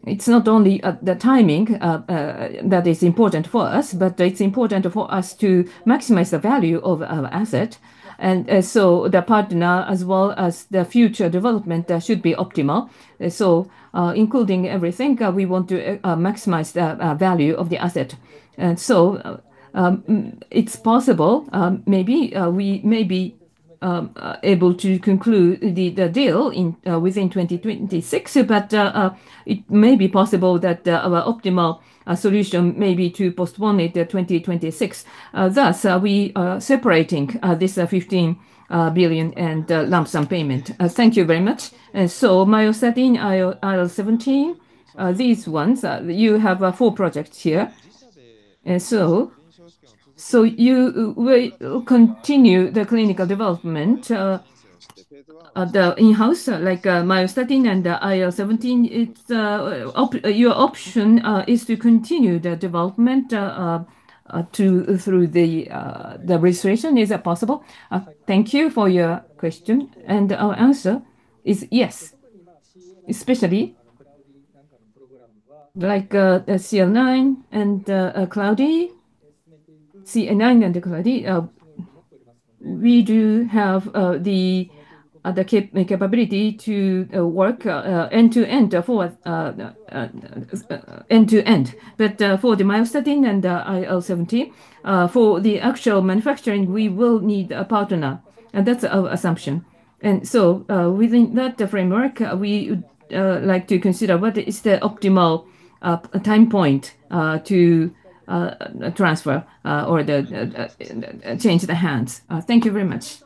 it's not only the timing that is important for us, but it's important for us to maximize the value of our asset. And so the partner as well as the future development should be optimal. So, including everything, we want to maximize the value of the asset. And so, it's possible, maybe, we may be able to conclude the deal within 2026. But, it may be possible that our optimal solution may be to postpone it to 2026. Thus, we are separating this 15 billion and lump sum payment. Thank you very much. So myostatin, IL-17, these ones, you have four projects here. So you will continue the clinical development of the in-house, like, myostatin and the IL-17. It's your option is to continue the development to through the registration. Is that possible? Thank you for your question, and our answer is yes. Especially like, CA9 and Claudin. CA9 and Claudin, we do have the capability to work end to end for end to end. But for the myostatin and IL-17, for the actual manufacturing, we will need a partner, and that's our assumption. So, within that framework, we would like to consider what is the optimal time point to transfer or the change the hands. Thank you very much.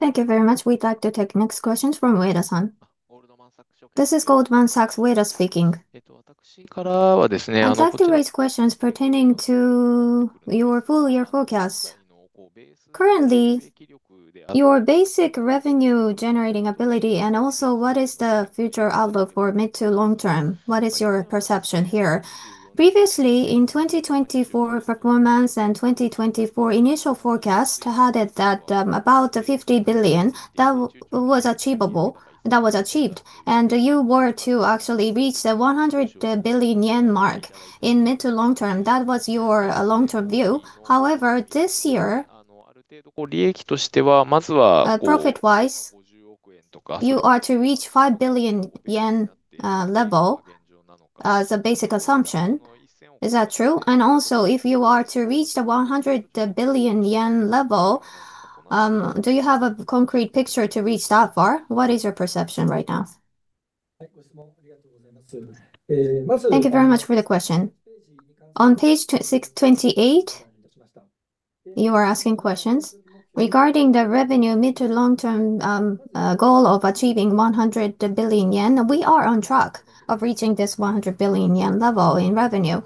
Thank you very much. We'd like to take next questions from Ueda-san. This is Goldman Sachs, Ueda speaking. I'd like to raise questions pertaining to your full year forecast. Currently, your basic revenue-generating ability and also, what is the future outlook for mid- to long-term? What is your perception here? Previously, in 2024 performance and 2024 initial forecast highlighted that, about the 50 billion, that was achievable, that was achieved. And you were to actually reach the 100 billion yen mark in mid- to long-term. That was your long-term view. However, this year- Profit-wise, you are to reach 5 billion yen level as a basic assumption. Is that true? And also, if you are to reach the 100 billion yen level, do you have a concrete picture to reach that far? What is your perception right now? Thank you very much for the question. On page 628, you are asking questions. Regarding the revenue mid- to long-term goal of achieving 100 billion yen, we are on track of reaching this 100 billion yen level in revenue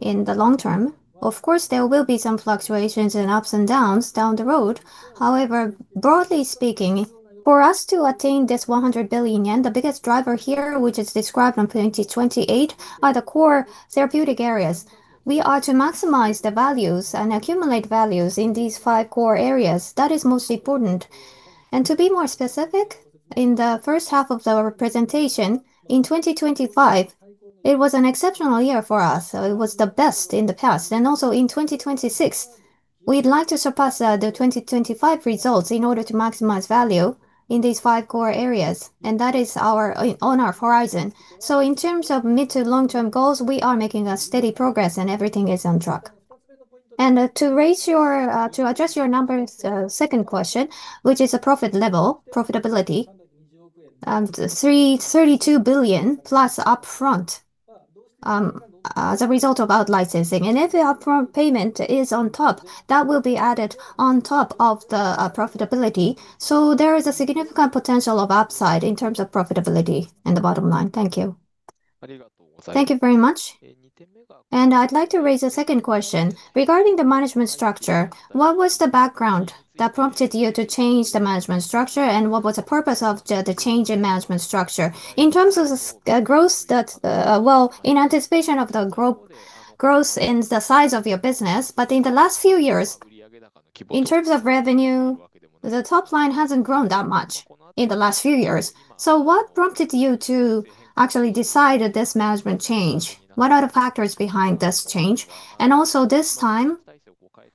in the long term. Of course, there will be some fluctuations and ups and downs down the road. However, broadly speaking-... for us to attain this 100 billion yen, the biggest driver here, which is described on page 28, are the core therapeutic areas. We are to maximize the values and accumulate values in these five core areas. That is most important. To be more specific, in the first half of the representation, in 2025, it was an exceptional year for us. It was the best in the past. In 2026, we'd like to surpass the 2025 results in order to maximize value in these five core areas, and that is our—on our horizon. In terms of mid- to long-term goals, we are making a steady progress and everything is on track. To address your number, so second question, which is a profit level, profitability, and JPY 32 billion plus upfront, as a result of out licensing. If the upfront payment is on top, that will be added on top of the profitability. So there is a significant potential of upside in terms of profitability and the bottom line. Thank you. Thank you very much. I'd like to raise a second question: Regarding the management structure, what was the background that prompted you to change the management structure? And what was the purpose of the change in management structure? In terms of this growth that... Well, in anticipation of the growth, growth in the size of your business, but in the last few years, in terms of revenue, the top line hasn't grown that much in the last few years. So what prompted you to actually decide this management change? What are the factors behind this change? And also, this time,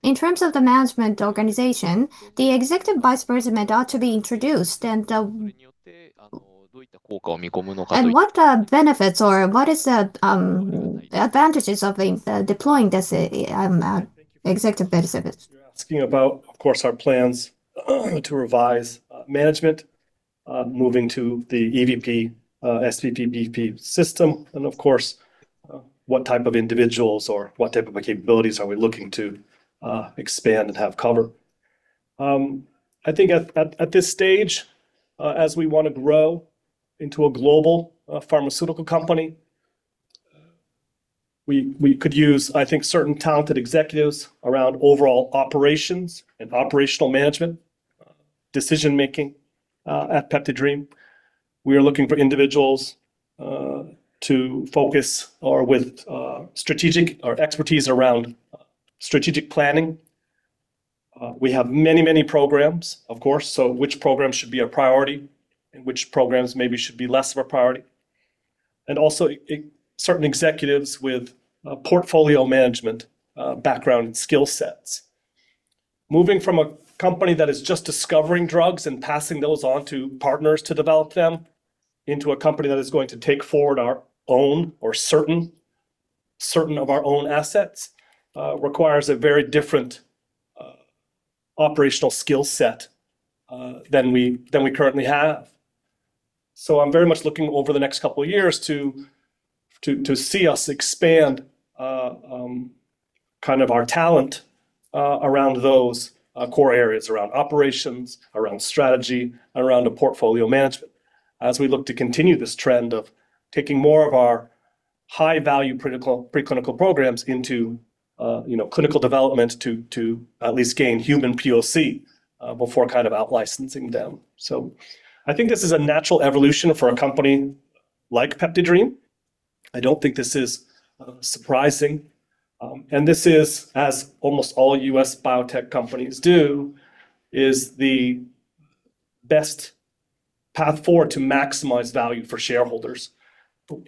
in terms of the management organization, the Executive Vice President ought to be introduced, and what benefits or what is the advantages of deploying this Executive Vice President? You're asking about, of course, our plans to revise management moving to the EVP, SVP, VP system, and of course, what type of individuals or what type of capabilities are we looking to expand and have cover. I think at this stage, as we want to grow into a global pharmaceutical company, we could use, I think, certain talented executives around overall operations and operational management decision-making. At PeptiDream, we are looking for individuals to focus or with strategic or expertise around strategic planning. We have many, many programs, of course, so which programs should be a priority and which programs maybe should be less of a priority, and also certain executives with portfolio management background and skill sets. Moving from a company that is just discovering drugs and passing those on to partners to develop them into a company that is going to take forward our own or certain of our own assets requires a very different operational skill set than we currently have. So I'm very much looking over the next couple of years to see us expand kind of our talent around those core areas, around operations, around strategy, around the portfolio management, as we look to continue this trend of taking more of our high-value critical preclinical programs into you know, clinical development to at least gain human POC before kind of out licensing them. So I think this is a natural evolution for a company like PeptiDream. I don't think this is surprising, and this is, as almost all US biotech companies do, the best path forward to maximize value for shareholders.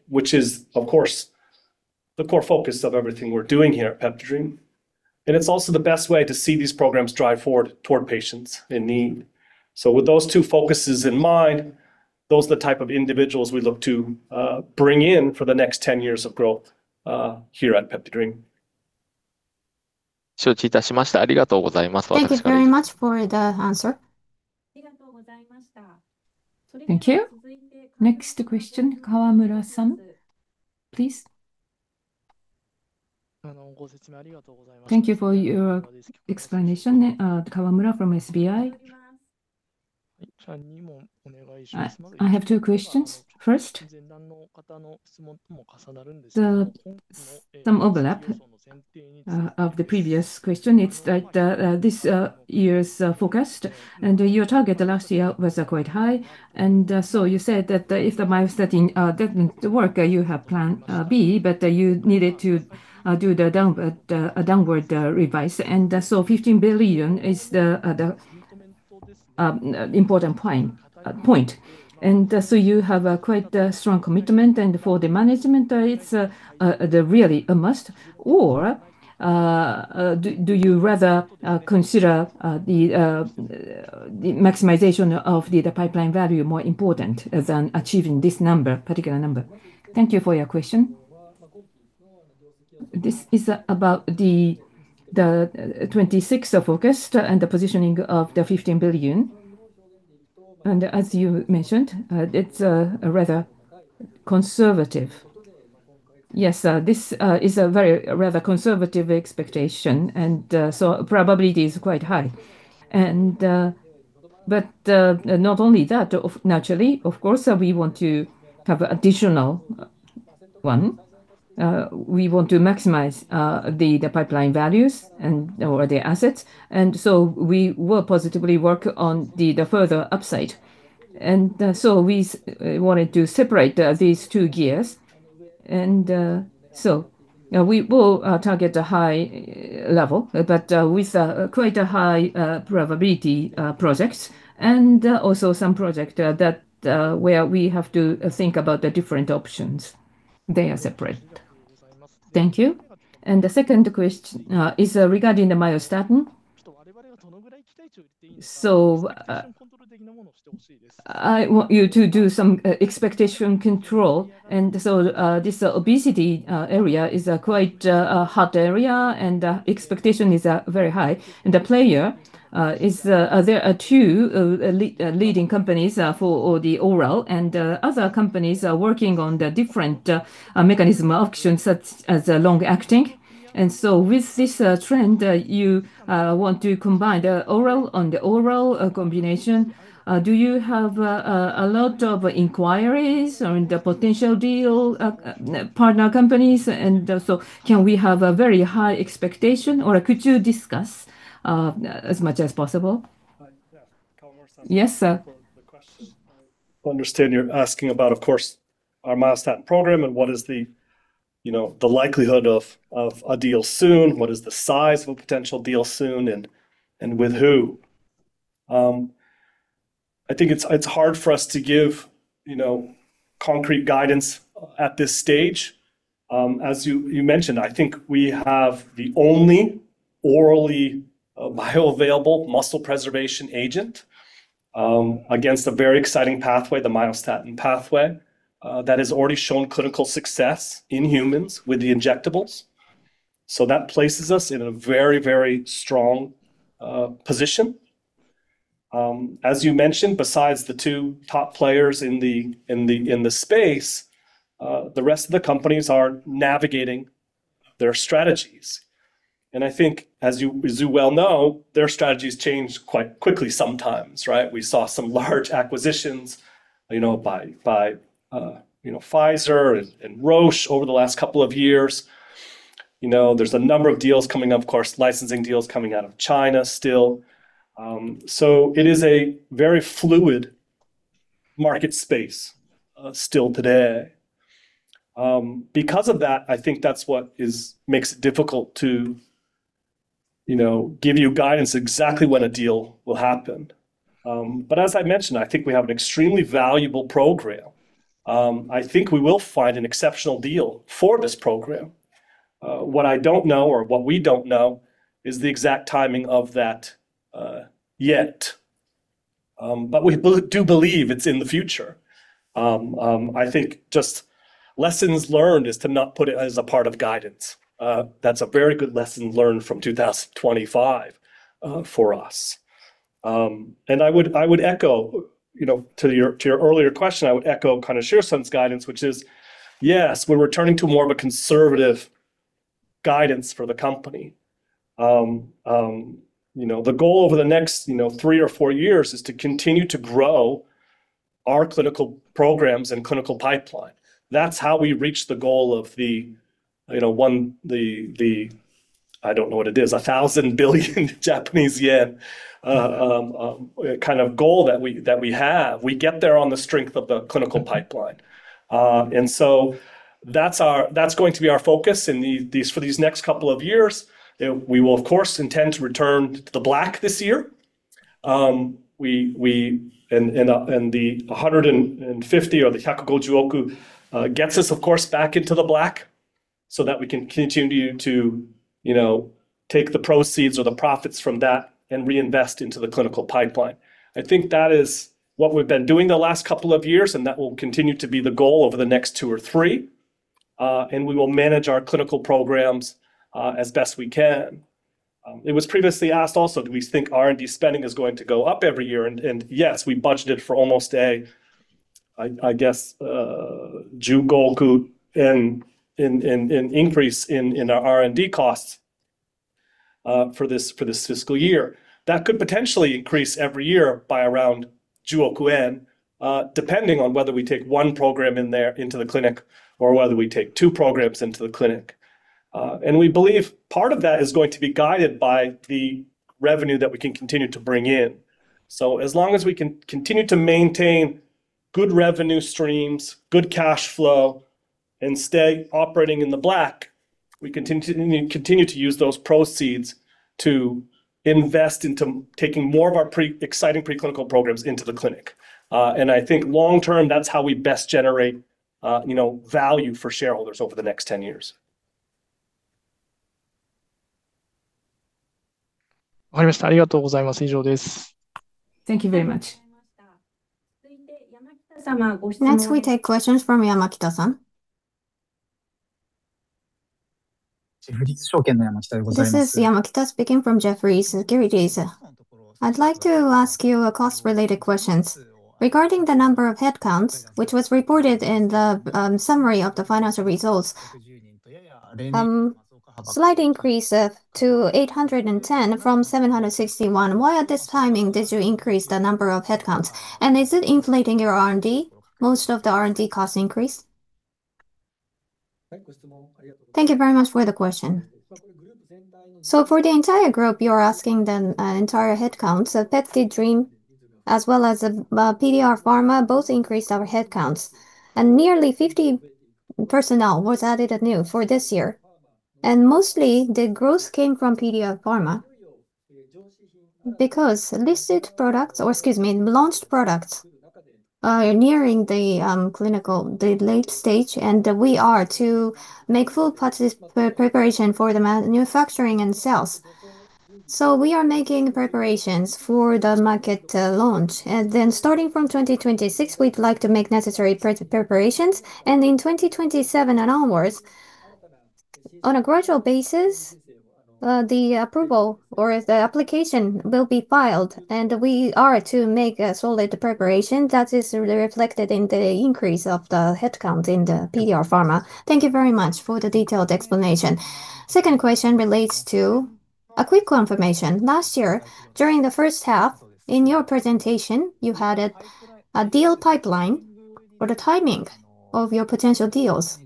Which is, of course, the core focus of everything we're doing here at PeptiDream, and it's also the best way to see these programs drive forward toward patients in need. So with those two focuses in mind, those are the type of individuals we look to bring in for the next 10 years of growth here at PeptiDream. Thank you very much for the answer. Thank you. Next question, Kawamura-san, please. Thank you for your explanation. Kawamura from SBI. I have two questions. First, the some overlap of the previous question. It's that, this year's forecast and your target last year was quite high. And, so you said that, if the milestoning didn't work, you have plan B, but, you needed to do the downward revise. And, so 15 billion is the important point. And, so you have a quite strong commitment, and for the management, it's really a must. Or, do you rather consider the maximization of the pipeline value more important than achieving this number, particular number? Thank you for your question. This is about the 26th of August and the positioning of the 15 billion. And as you mentioned, it's a rather conservative. Yes, this is a very rather conservative expectation, and so probability is quite high. And but not only that, naturally, of course, we want to have additional one, we want to maximize the pipeline values and or the assets, and so we will positively work on the further upside. And so we wanted to separate these two gears. And so we will target a high level, but with quite a high probability projects, and also some project that where we have to think about the different options. They are separate. Thank you. The second question is regarding the myostatin. So, I want you to do some expectation control. So, this obesity area is a quite hot area, and expectation is very high. And the player is there are 2 leading companies for the oral, and other companies are working on the different mechanism options, such as long-acting. And so with this trend, you want to combine the oral on the oral combination. Do you have a lot of inquiries on the potential deal partner companies? And so can we have a very high expectation, or could you discuss as much as possible? Yeah, Kawamura-san- Yes, sir. The question. I understand you're asking about, of course, our myostatin program and what is the, you know, the likelihood of a deal soon, what is the size of a potential deal soon, and with who? I think it's hard for us to give, you know, concrete guidance at this stage. As you mentioned, I think we have the only orally bioavailable muscle preservation agent against a very exciting pathway, the myostatin pathway, that has already shown clinical success in humans with the injectables. So that places us in a very, very strong position. As you mentioned, besides the two top players in the space, the rest of the companies are navigating their strategies. And I think, as you well know, their strategies change quite quickly sometimes, right? We saw some large acquisitions, you know, by Pfizer and Roche over the last couple of years. You know, there's a number of deals coming up, of course, licensing deals coming out of China still. So it is a very fluid market space still today. Because of that, I think that's what makes it difficult to, you know, give you guidance exactly when a deal will happen. But as I mentioned, I think we have an extremely valuable program. I think we will find an exceptional deal for this program. What I don't know or what we don't know is the exact timing of that yet. But we do believe it's in the future. I think just lessons learned is to not put it as a part of guidance. That's a very good lesson learned from 2025 for us. And I would, I would echo, you know, to your, to your earlier question, I would echo kind of Shirose's guidance, which is, yes, we're returning to more of a conservative guidance for the company. You know, the goal over the next, you know, three or four years is to continue to grow our clinical programs and clinical pipeline. That's how we reach the goal of the, you know, one, the, the, I don't know what it is, 1,000 billion Japanese yen kind of goal that we, that we have. We get there on the strength of the clinical pipeline. And so that's our—that's going to be our focus in the, these, for these next couple of years. We will, of course, intend to return to the black this year. We and the 150, or the hyakugo jū, gets us, of course, back into the black, so that we can continue to, you know, take the proceeds or the profits from that and reinvest into the clinical pipeline. I think that is what we've been doing the last couple of years, and that will continue to be the goal over the next two or three. We will manage our clinical programs as best we can. It was previously asked also, do we think R&D spending is going to go up every year? Yes, we budgeted for almost a 15% increase in our R&D costs for this fiscal year. That could potentially increase every year by around JPY 1 billion, depending on whether we take one program in there, into the clinic, or whether we take two programs into the clinic. And we believe part of that is going to be guided by the revenue that we can continue to bring in. So as long as we can continue to maintain good revenue streams, good cash flow, and stay operating in the black, we continue to use those proceeds to invest into taking more of our exciting preclinical programs into the clinic. And I think long term, that's how we best generate, you know, value for shareholders over the next 10 years. Thank you very much. Next, we take questions from Yamakita-san. This is Yamakita speaking from Jefferies Securities. I'd like to ask you a cost-related questions. Regarding the number of headcounts, which was reported in the summary of the financial results, slight increase to 810 from 761. Why at this timing did you increase the number of headcounts, and is it inflating your R&D, most of the R&D cost increase?... Thank you very much for the question. So for the entire group, you're asking the entire headcounts. So PeptiDream, as well as PDRadiopharma, both increased our headcounts, and nearly 50 personnel was added anew for this year. And mostly, the growth came from PDRadiopharma, because listed products, or excuse me, launched products are nearing the clinical late stage, and we are to make full preparation for the manufacturing and sales. So we are making preparations for the market launch. And then starting from 2026, we'd like to make necessary preparations, and in 2027 and onwards, on a gradual basis, the approval or the application will be filed, and we are to make a solid preparation that is reflected in the increase of the headcount in the PDRadiopharma. Thank you very much for the detailed explanation. Second question relates to a quick confirmation. Last year, during the first half, in your presentation, you had a deal pipeline for the timing of your potential deals.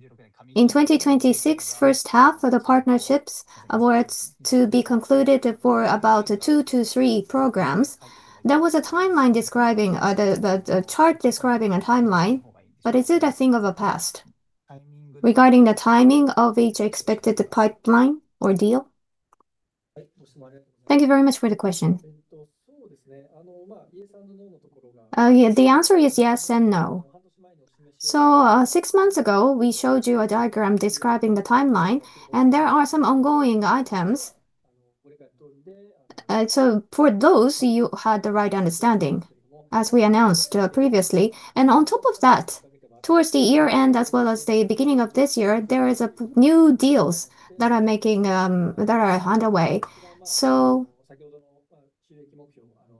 In 2026, first half of the partnerships were to be concluded for about 2-3 programs. There was a timeline describing the chart describing a timeline, but is it a thing of the past regarding the timing of each expected pipeline or deal? Thank you very much for the question. Yeah, the answer is yes and no. So, six months ago, we showed you a diagram describing the timeline, and there are some ongoing items. So for those, you had the right understanding as we announced previously. And on top of that, towards the year-end, as well as the beginning of this year, there is a new deals that are making that are underway. So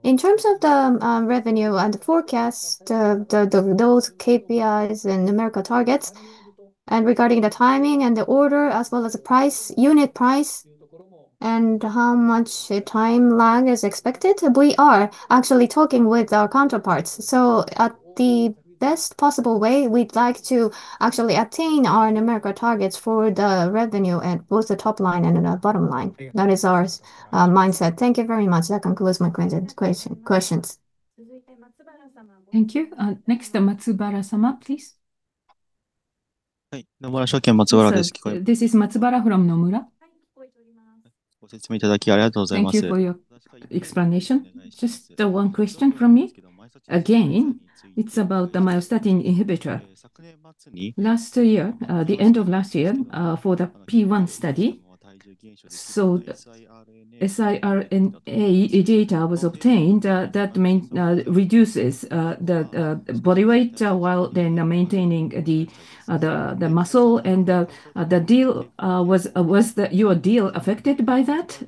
in terms of the revenue and the forecast, those KPIs and numerical targets, and regarding the timing and the order, as well as the price, unit price, and how much a time lag is expected, we are actually talking with our counterparts. So at the best possible way, we'd like to actually attain our numerical targets for the revenue at both the top line and the bottom line. That is our mindset. Thank you very much. That concludes my questions. Thank you. Next, Matsubara-sama, please. Hi. Nomura Securities, Matsubara. This is Matsubara from Nomura. Thank you for your explanation. Just one question from me. Again, it's about the myostatin inhibitor. Last year, the end of last year, for the P1 study, so the siRNA data was obtained, that mainly reduces the body weight while then maintaining the muscle and the deal. Was your deal affected by that?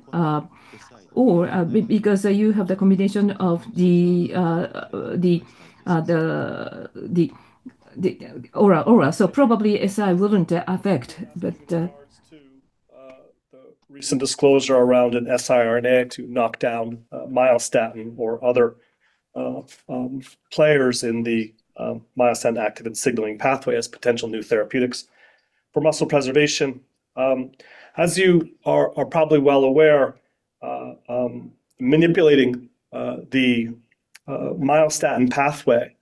Or, because you have the combination of the oral, so probably SI wouldn't affect, but-... in regards to the recent disclosure around an siRNA to knock down myostatin or other players in the myostatin activin signaling pathway as potential new therapeutics for muscle preservation. As you are probably well aware, manipulating the myostatin pathway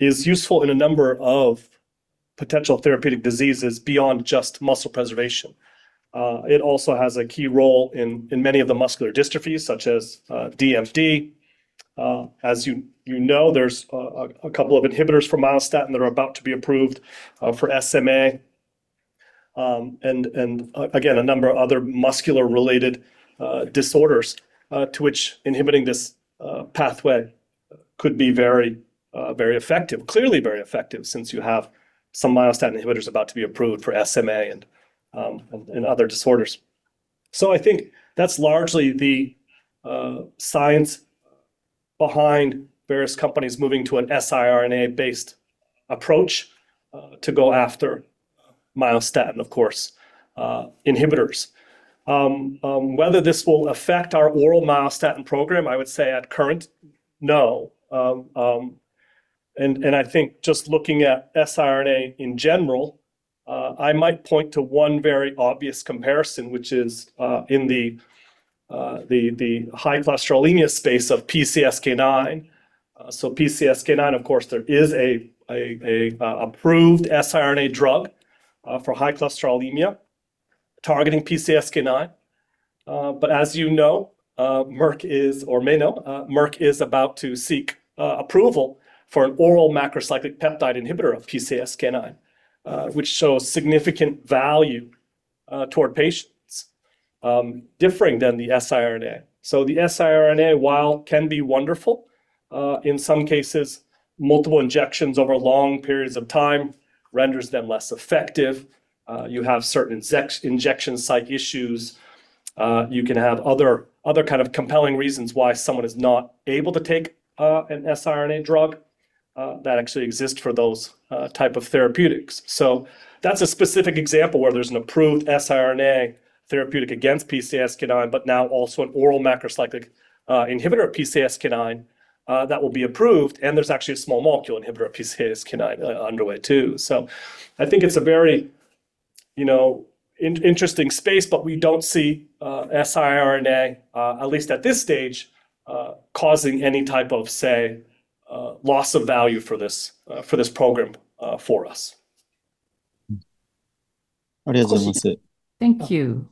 is useful in a number of potential therapeutic diseases beyond just muscle preservation. It also has a key role in many of the muscular dystrophies, such as DMD. As you know, there's a couple of inhibitors for myostatin that are about to be approved for SMA, and again, a number of other muscular-related disorders to which inhibiting this pathway could be very effective. Clearly very effective, since you have some myostatin inhibitors about to be approved for SMA and other disorders. So I think that's largely the science behind various companies moving to an siRNA-based approach to go after myostatin, of course, inhibitors. Whether this will affect our oral myostatin program, I would say at present, no. And I think just looking at siRNA in general, I might point to one very obvious comparison, which is in the hypercholesterolemia space of PCSK9. So PCSK9, of course, there is an approved siRNA drug for hypercholesterolemia targeting PCSK9. But as you know, Merck is, or you may know, Merck is about to seek approval for an oral macrocyclic peptide inhibitor of PCSK9, which shows significant value toward patients, differing than the siRNA. So the siRNA, while can be wonderful in some cases, multiple injections over long periods of time renders them less effective. You have certain injection site issues. You can have other, other kind of compelling reasons why someone is not able to take an siRNA drug that actually exists for those type of therapeutics. So that's a specific example where there's an approved siRNA therapeutic against PCSK9, but now also an oral macrocyclic inhibitor of PCSK9 that will be approved, and there's actually a small molecule inhibitor of PCSK9 underway, too. So I think it's a very-... You know, interesting space, but we don't see siRNA, at least at this stage, causing any type of, say, loss of value for this, for this program, for us. Thank you.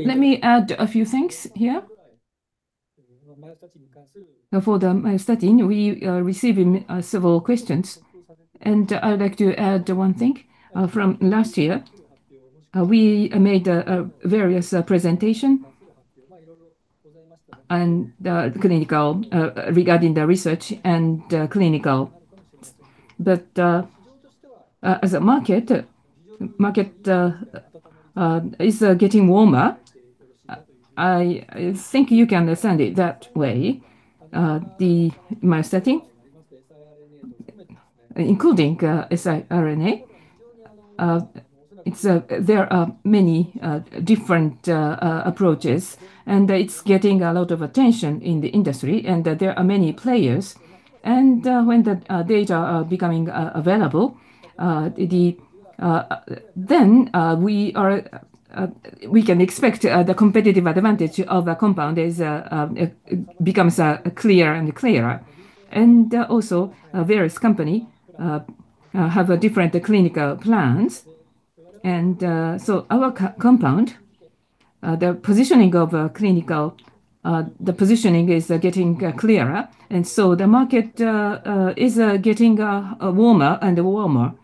Let me add a few things here. Now, for the myostatin, we are receiving several questions, and I'd like to add one thing. From last year, we made various presentation and the clinical regarding the research and clinical. But as a market is getting warmer. I think you can understand it that way. The myostatin, including siRNA, it's... There are many different approaches, and it's getting a lot of attention in the industry, and that there are many players. And when the data are becoming available, then we can expect the competitive advantage of the compound is, it becomes clear and clearer. Also, various companies have different clinical plans. So our compound, the positioning of our clinical, the positioning is getting clearer, and so the market is getting warmer and warmer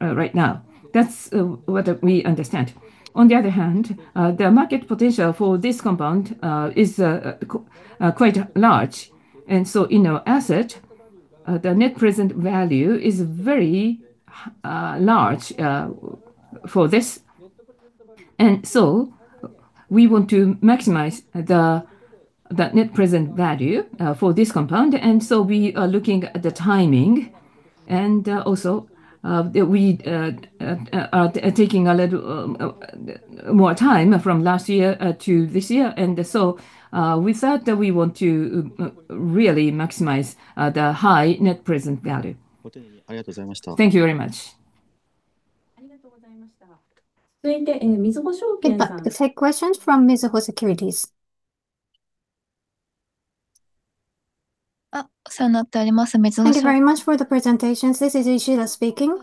right now. That's what we understand. On the other hand, the market potential for this compound is quite large. And so in our asset, the net present value is very large for this. And so we want to maximize the net present value for this compound, and so we are looking at the timing. Also, we are taking a little more time from last year to this year. With that, we want to really maximize the high net present value. Thank you very much. We'd like to take questions from Mizuho Securities. Thank you very much for the presentations. This is Ishida speaking.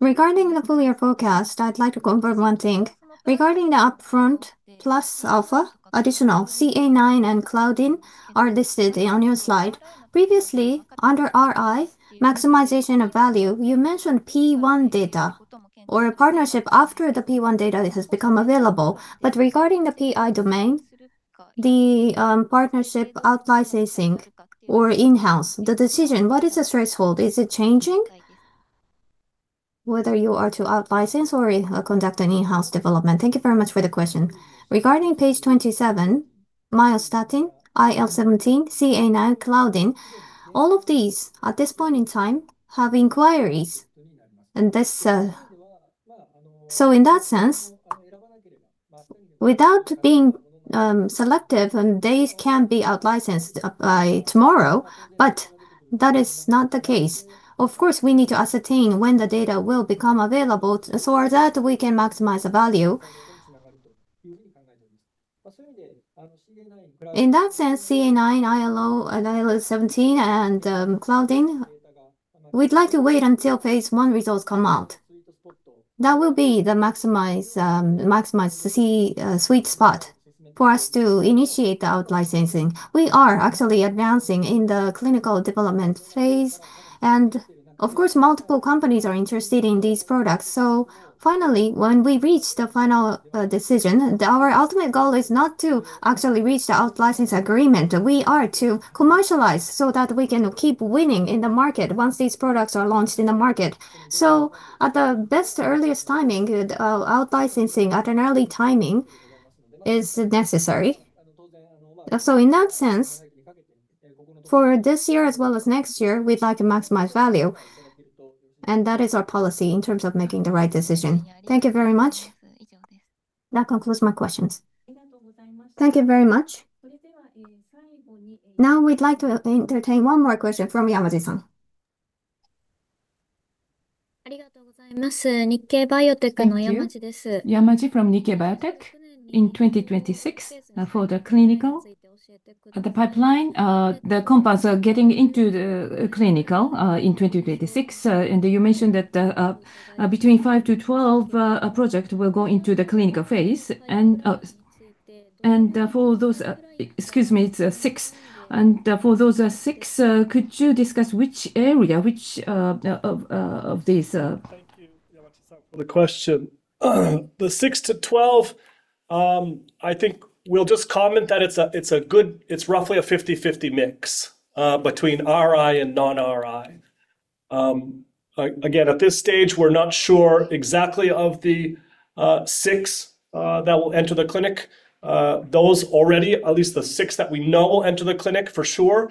Regarding the full year forecast, I'd like to confirm one thing. Regarding the upfront plus alpha, additional CA9 and Claudin are listed on your slide. Previously, under RI, maximization of value, you mentioned P1 data or a partnership after the P1 data has become available. But regarding the PI domain, the partnership, out-licensing, or in-house, the decision, what is the threshold? Is it changing whether you are to out-license or conduct an in-house development? Thank you very much for the question. Regarding page 27, Myostatin, IL-17, CA9, Claudin, all of these, at this point in time, have inquiries, and this. So in that sense, without being selective, then these can be out-licensed by tomorrow, but that is not the case. Of course, we need to ascertain when the data will become available, so that we can maximize the value. In that sense, CA9, ILO, IL-17, and Claudin, we'd like to wait until phase 1 results come out. That will be the maximize, maximize the sweet spot for us to initiate the out-licensing. We are actually advancing in the clinical development phase, and of course, multiple companies are interested in these products. So finally, when we reach the final decision, our ultimate goal is not to actually reach the out-license agreement. We are to commercialize so that we can keep winning in the market once these products are launched in the market. So at the best earliest timing, out-licensing at an early timing is necessary. So in that sense, for this year as well as next year, we'd like to maximize value, and that is our policy in terms of making the right decision. Thank you very much. That concludes my questions. Thank you very much. Now, we'd like to entertain one more question from Yamaji-san. Thank you. Yamaji from Nikkei Biotech. In 2026, for the clinical, the pipeline, the compounds are getting into the, clinical, in 2026. And you mentioned that, between 5-12, project will go into the clinical phase, and, and, for those... Excuse me, it's six. And, for those, six, could you discuss which area, which, of, of these, Thank you, Yamaji-san, for the question. The 6-12, I think we'll just comment that it's roughly a 50/50 mix between RI and non-RI. Again, at this stage, we're not sure exactly of the six that will enter the clinic. Those already, at least the six that we know will enter the clinic for sure,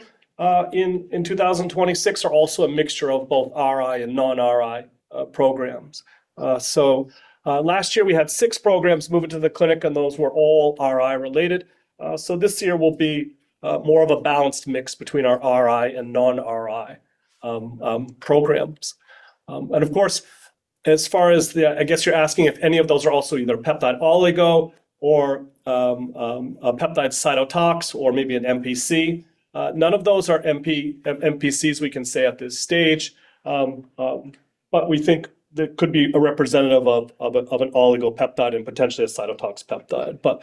in 2026, are also a mixture of both RI and non-RI programs. So, last year, we had six programs move into the clinic, and those were all RI-related. So this year will be more of a balanced mix between our RI and non-RI programs. And of course, as far as the... I guess you're asking if any of those are also either peptide oligo or, a peptide cytotox or maybe an MPC. None of those are MP- MPCs, we can say at this stage. But we think there could be a representative of, of a, of an oligo peptide and potentially a cytotox peptide. But,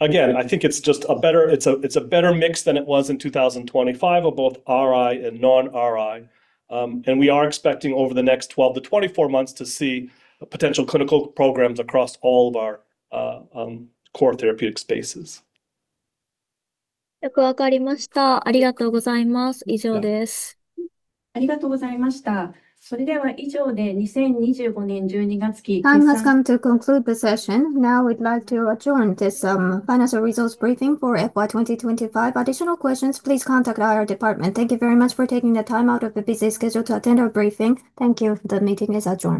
again, I think it's just a better- it's a, it's a better mix than it was in 2025 of both RI and non-RI. And we are expecting over the next 12-24 months to see potential clinical programs across all of our, core therapeutic spaces. Thank you very much. Time has come to conclude the session. Now, we'd like to adjourn this financial results briefing for FY 2025. Additional questions, please contact our IR department. Thank you very much for taking the time out of your busy schedule to attend our briefing. Thank you. The meeting is adjourned.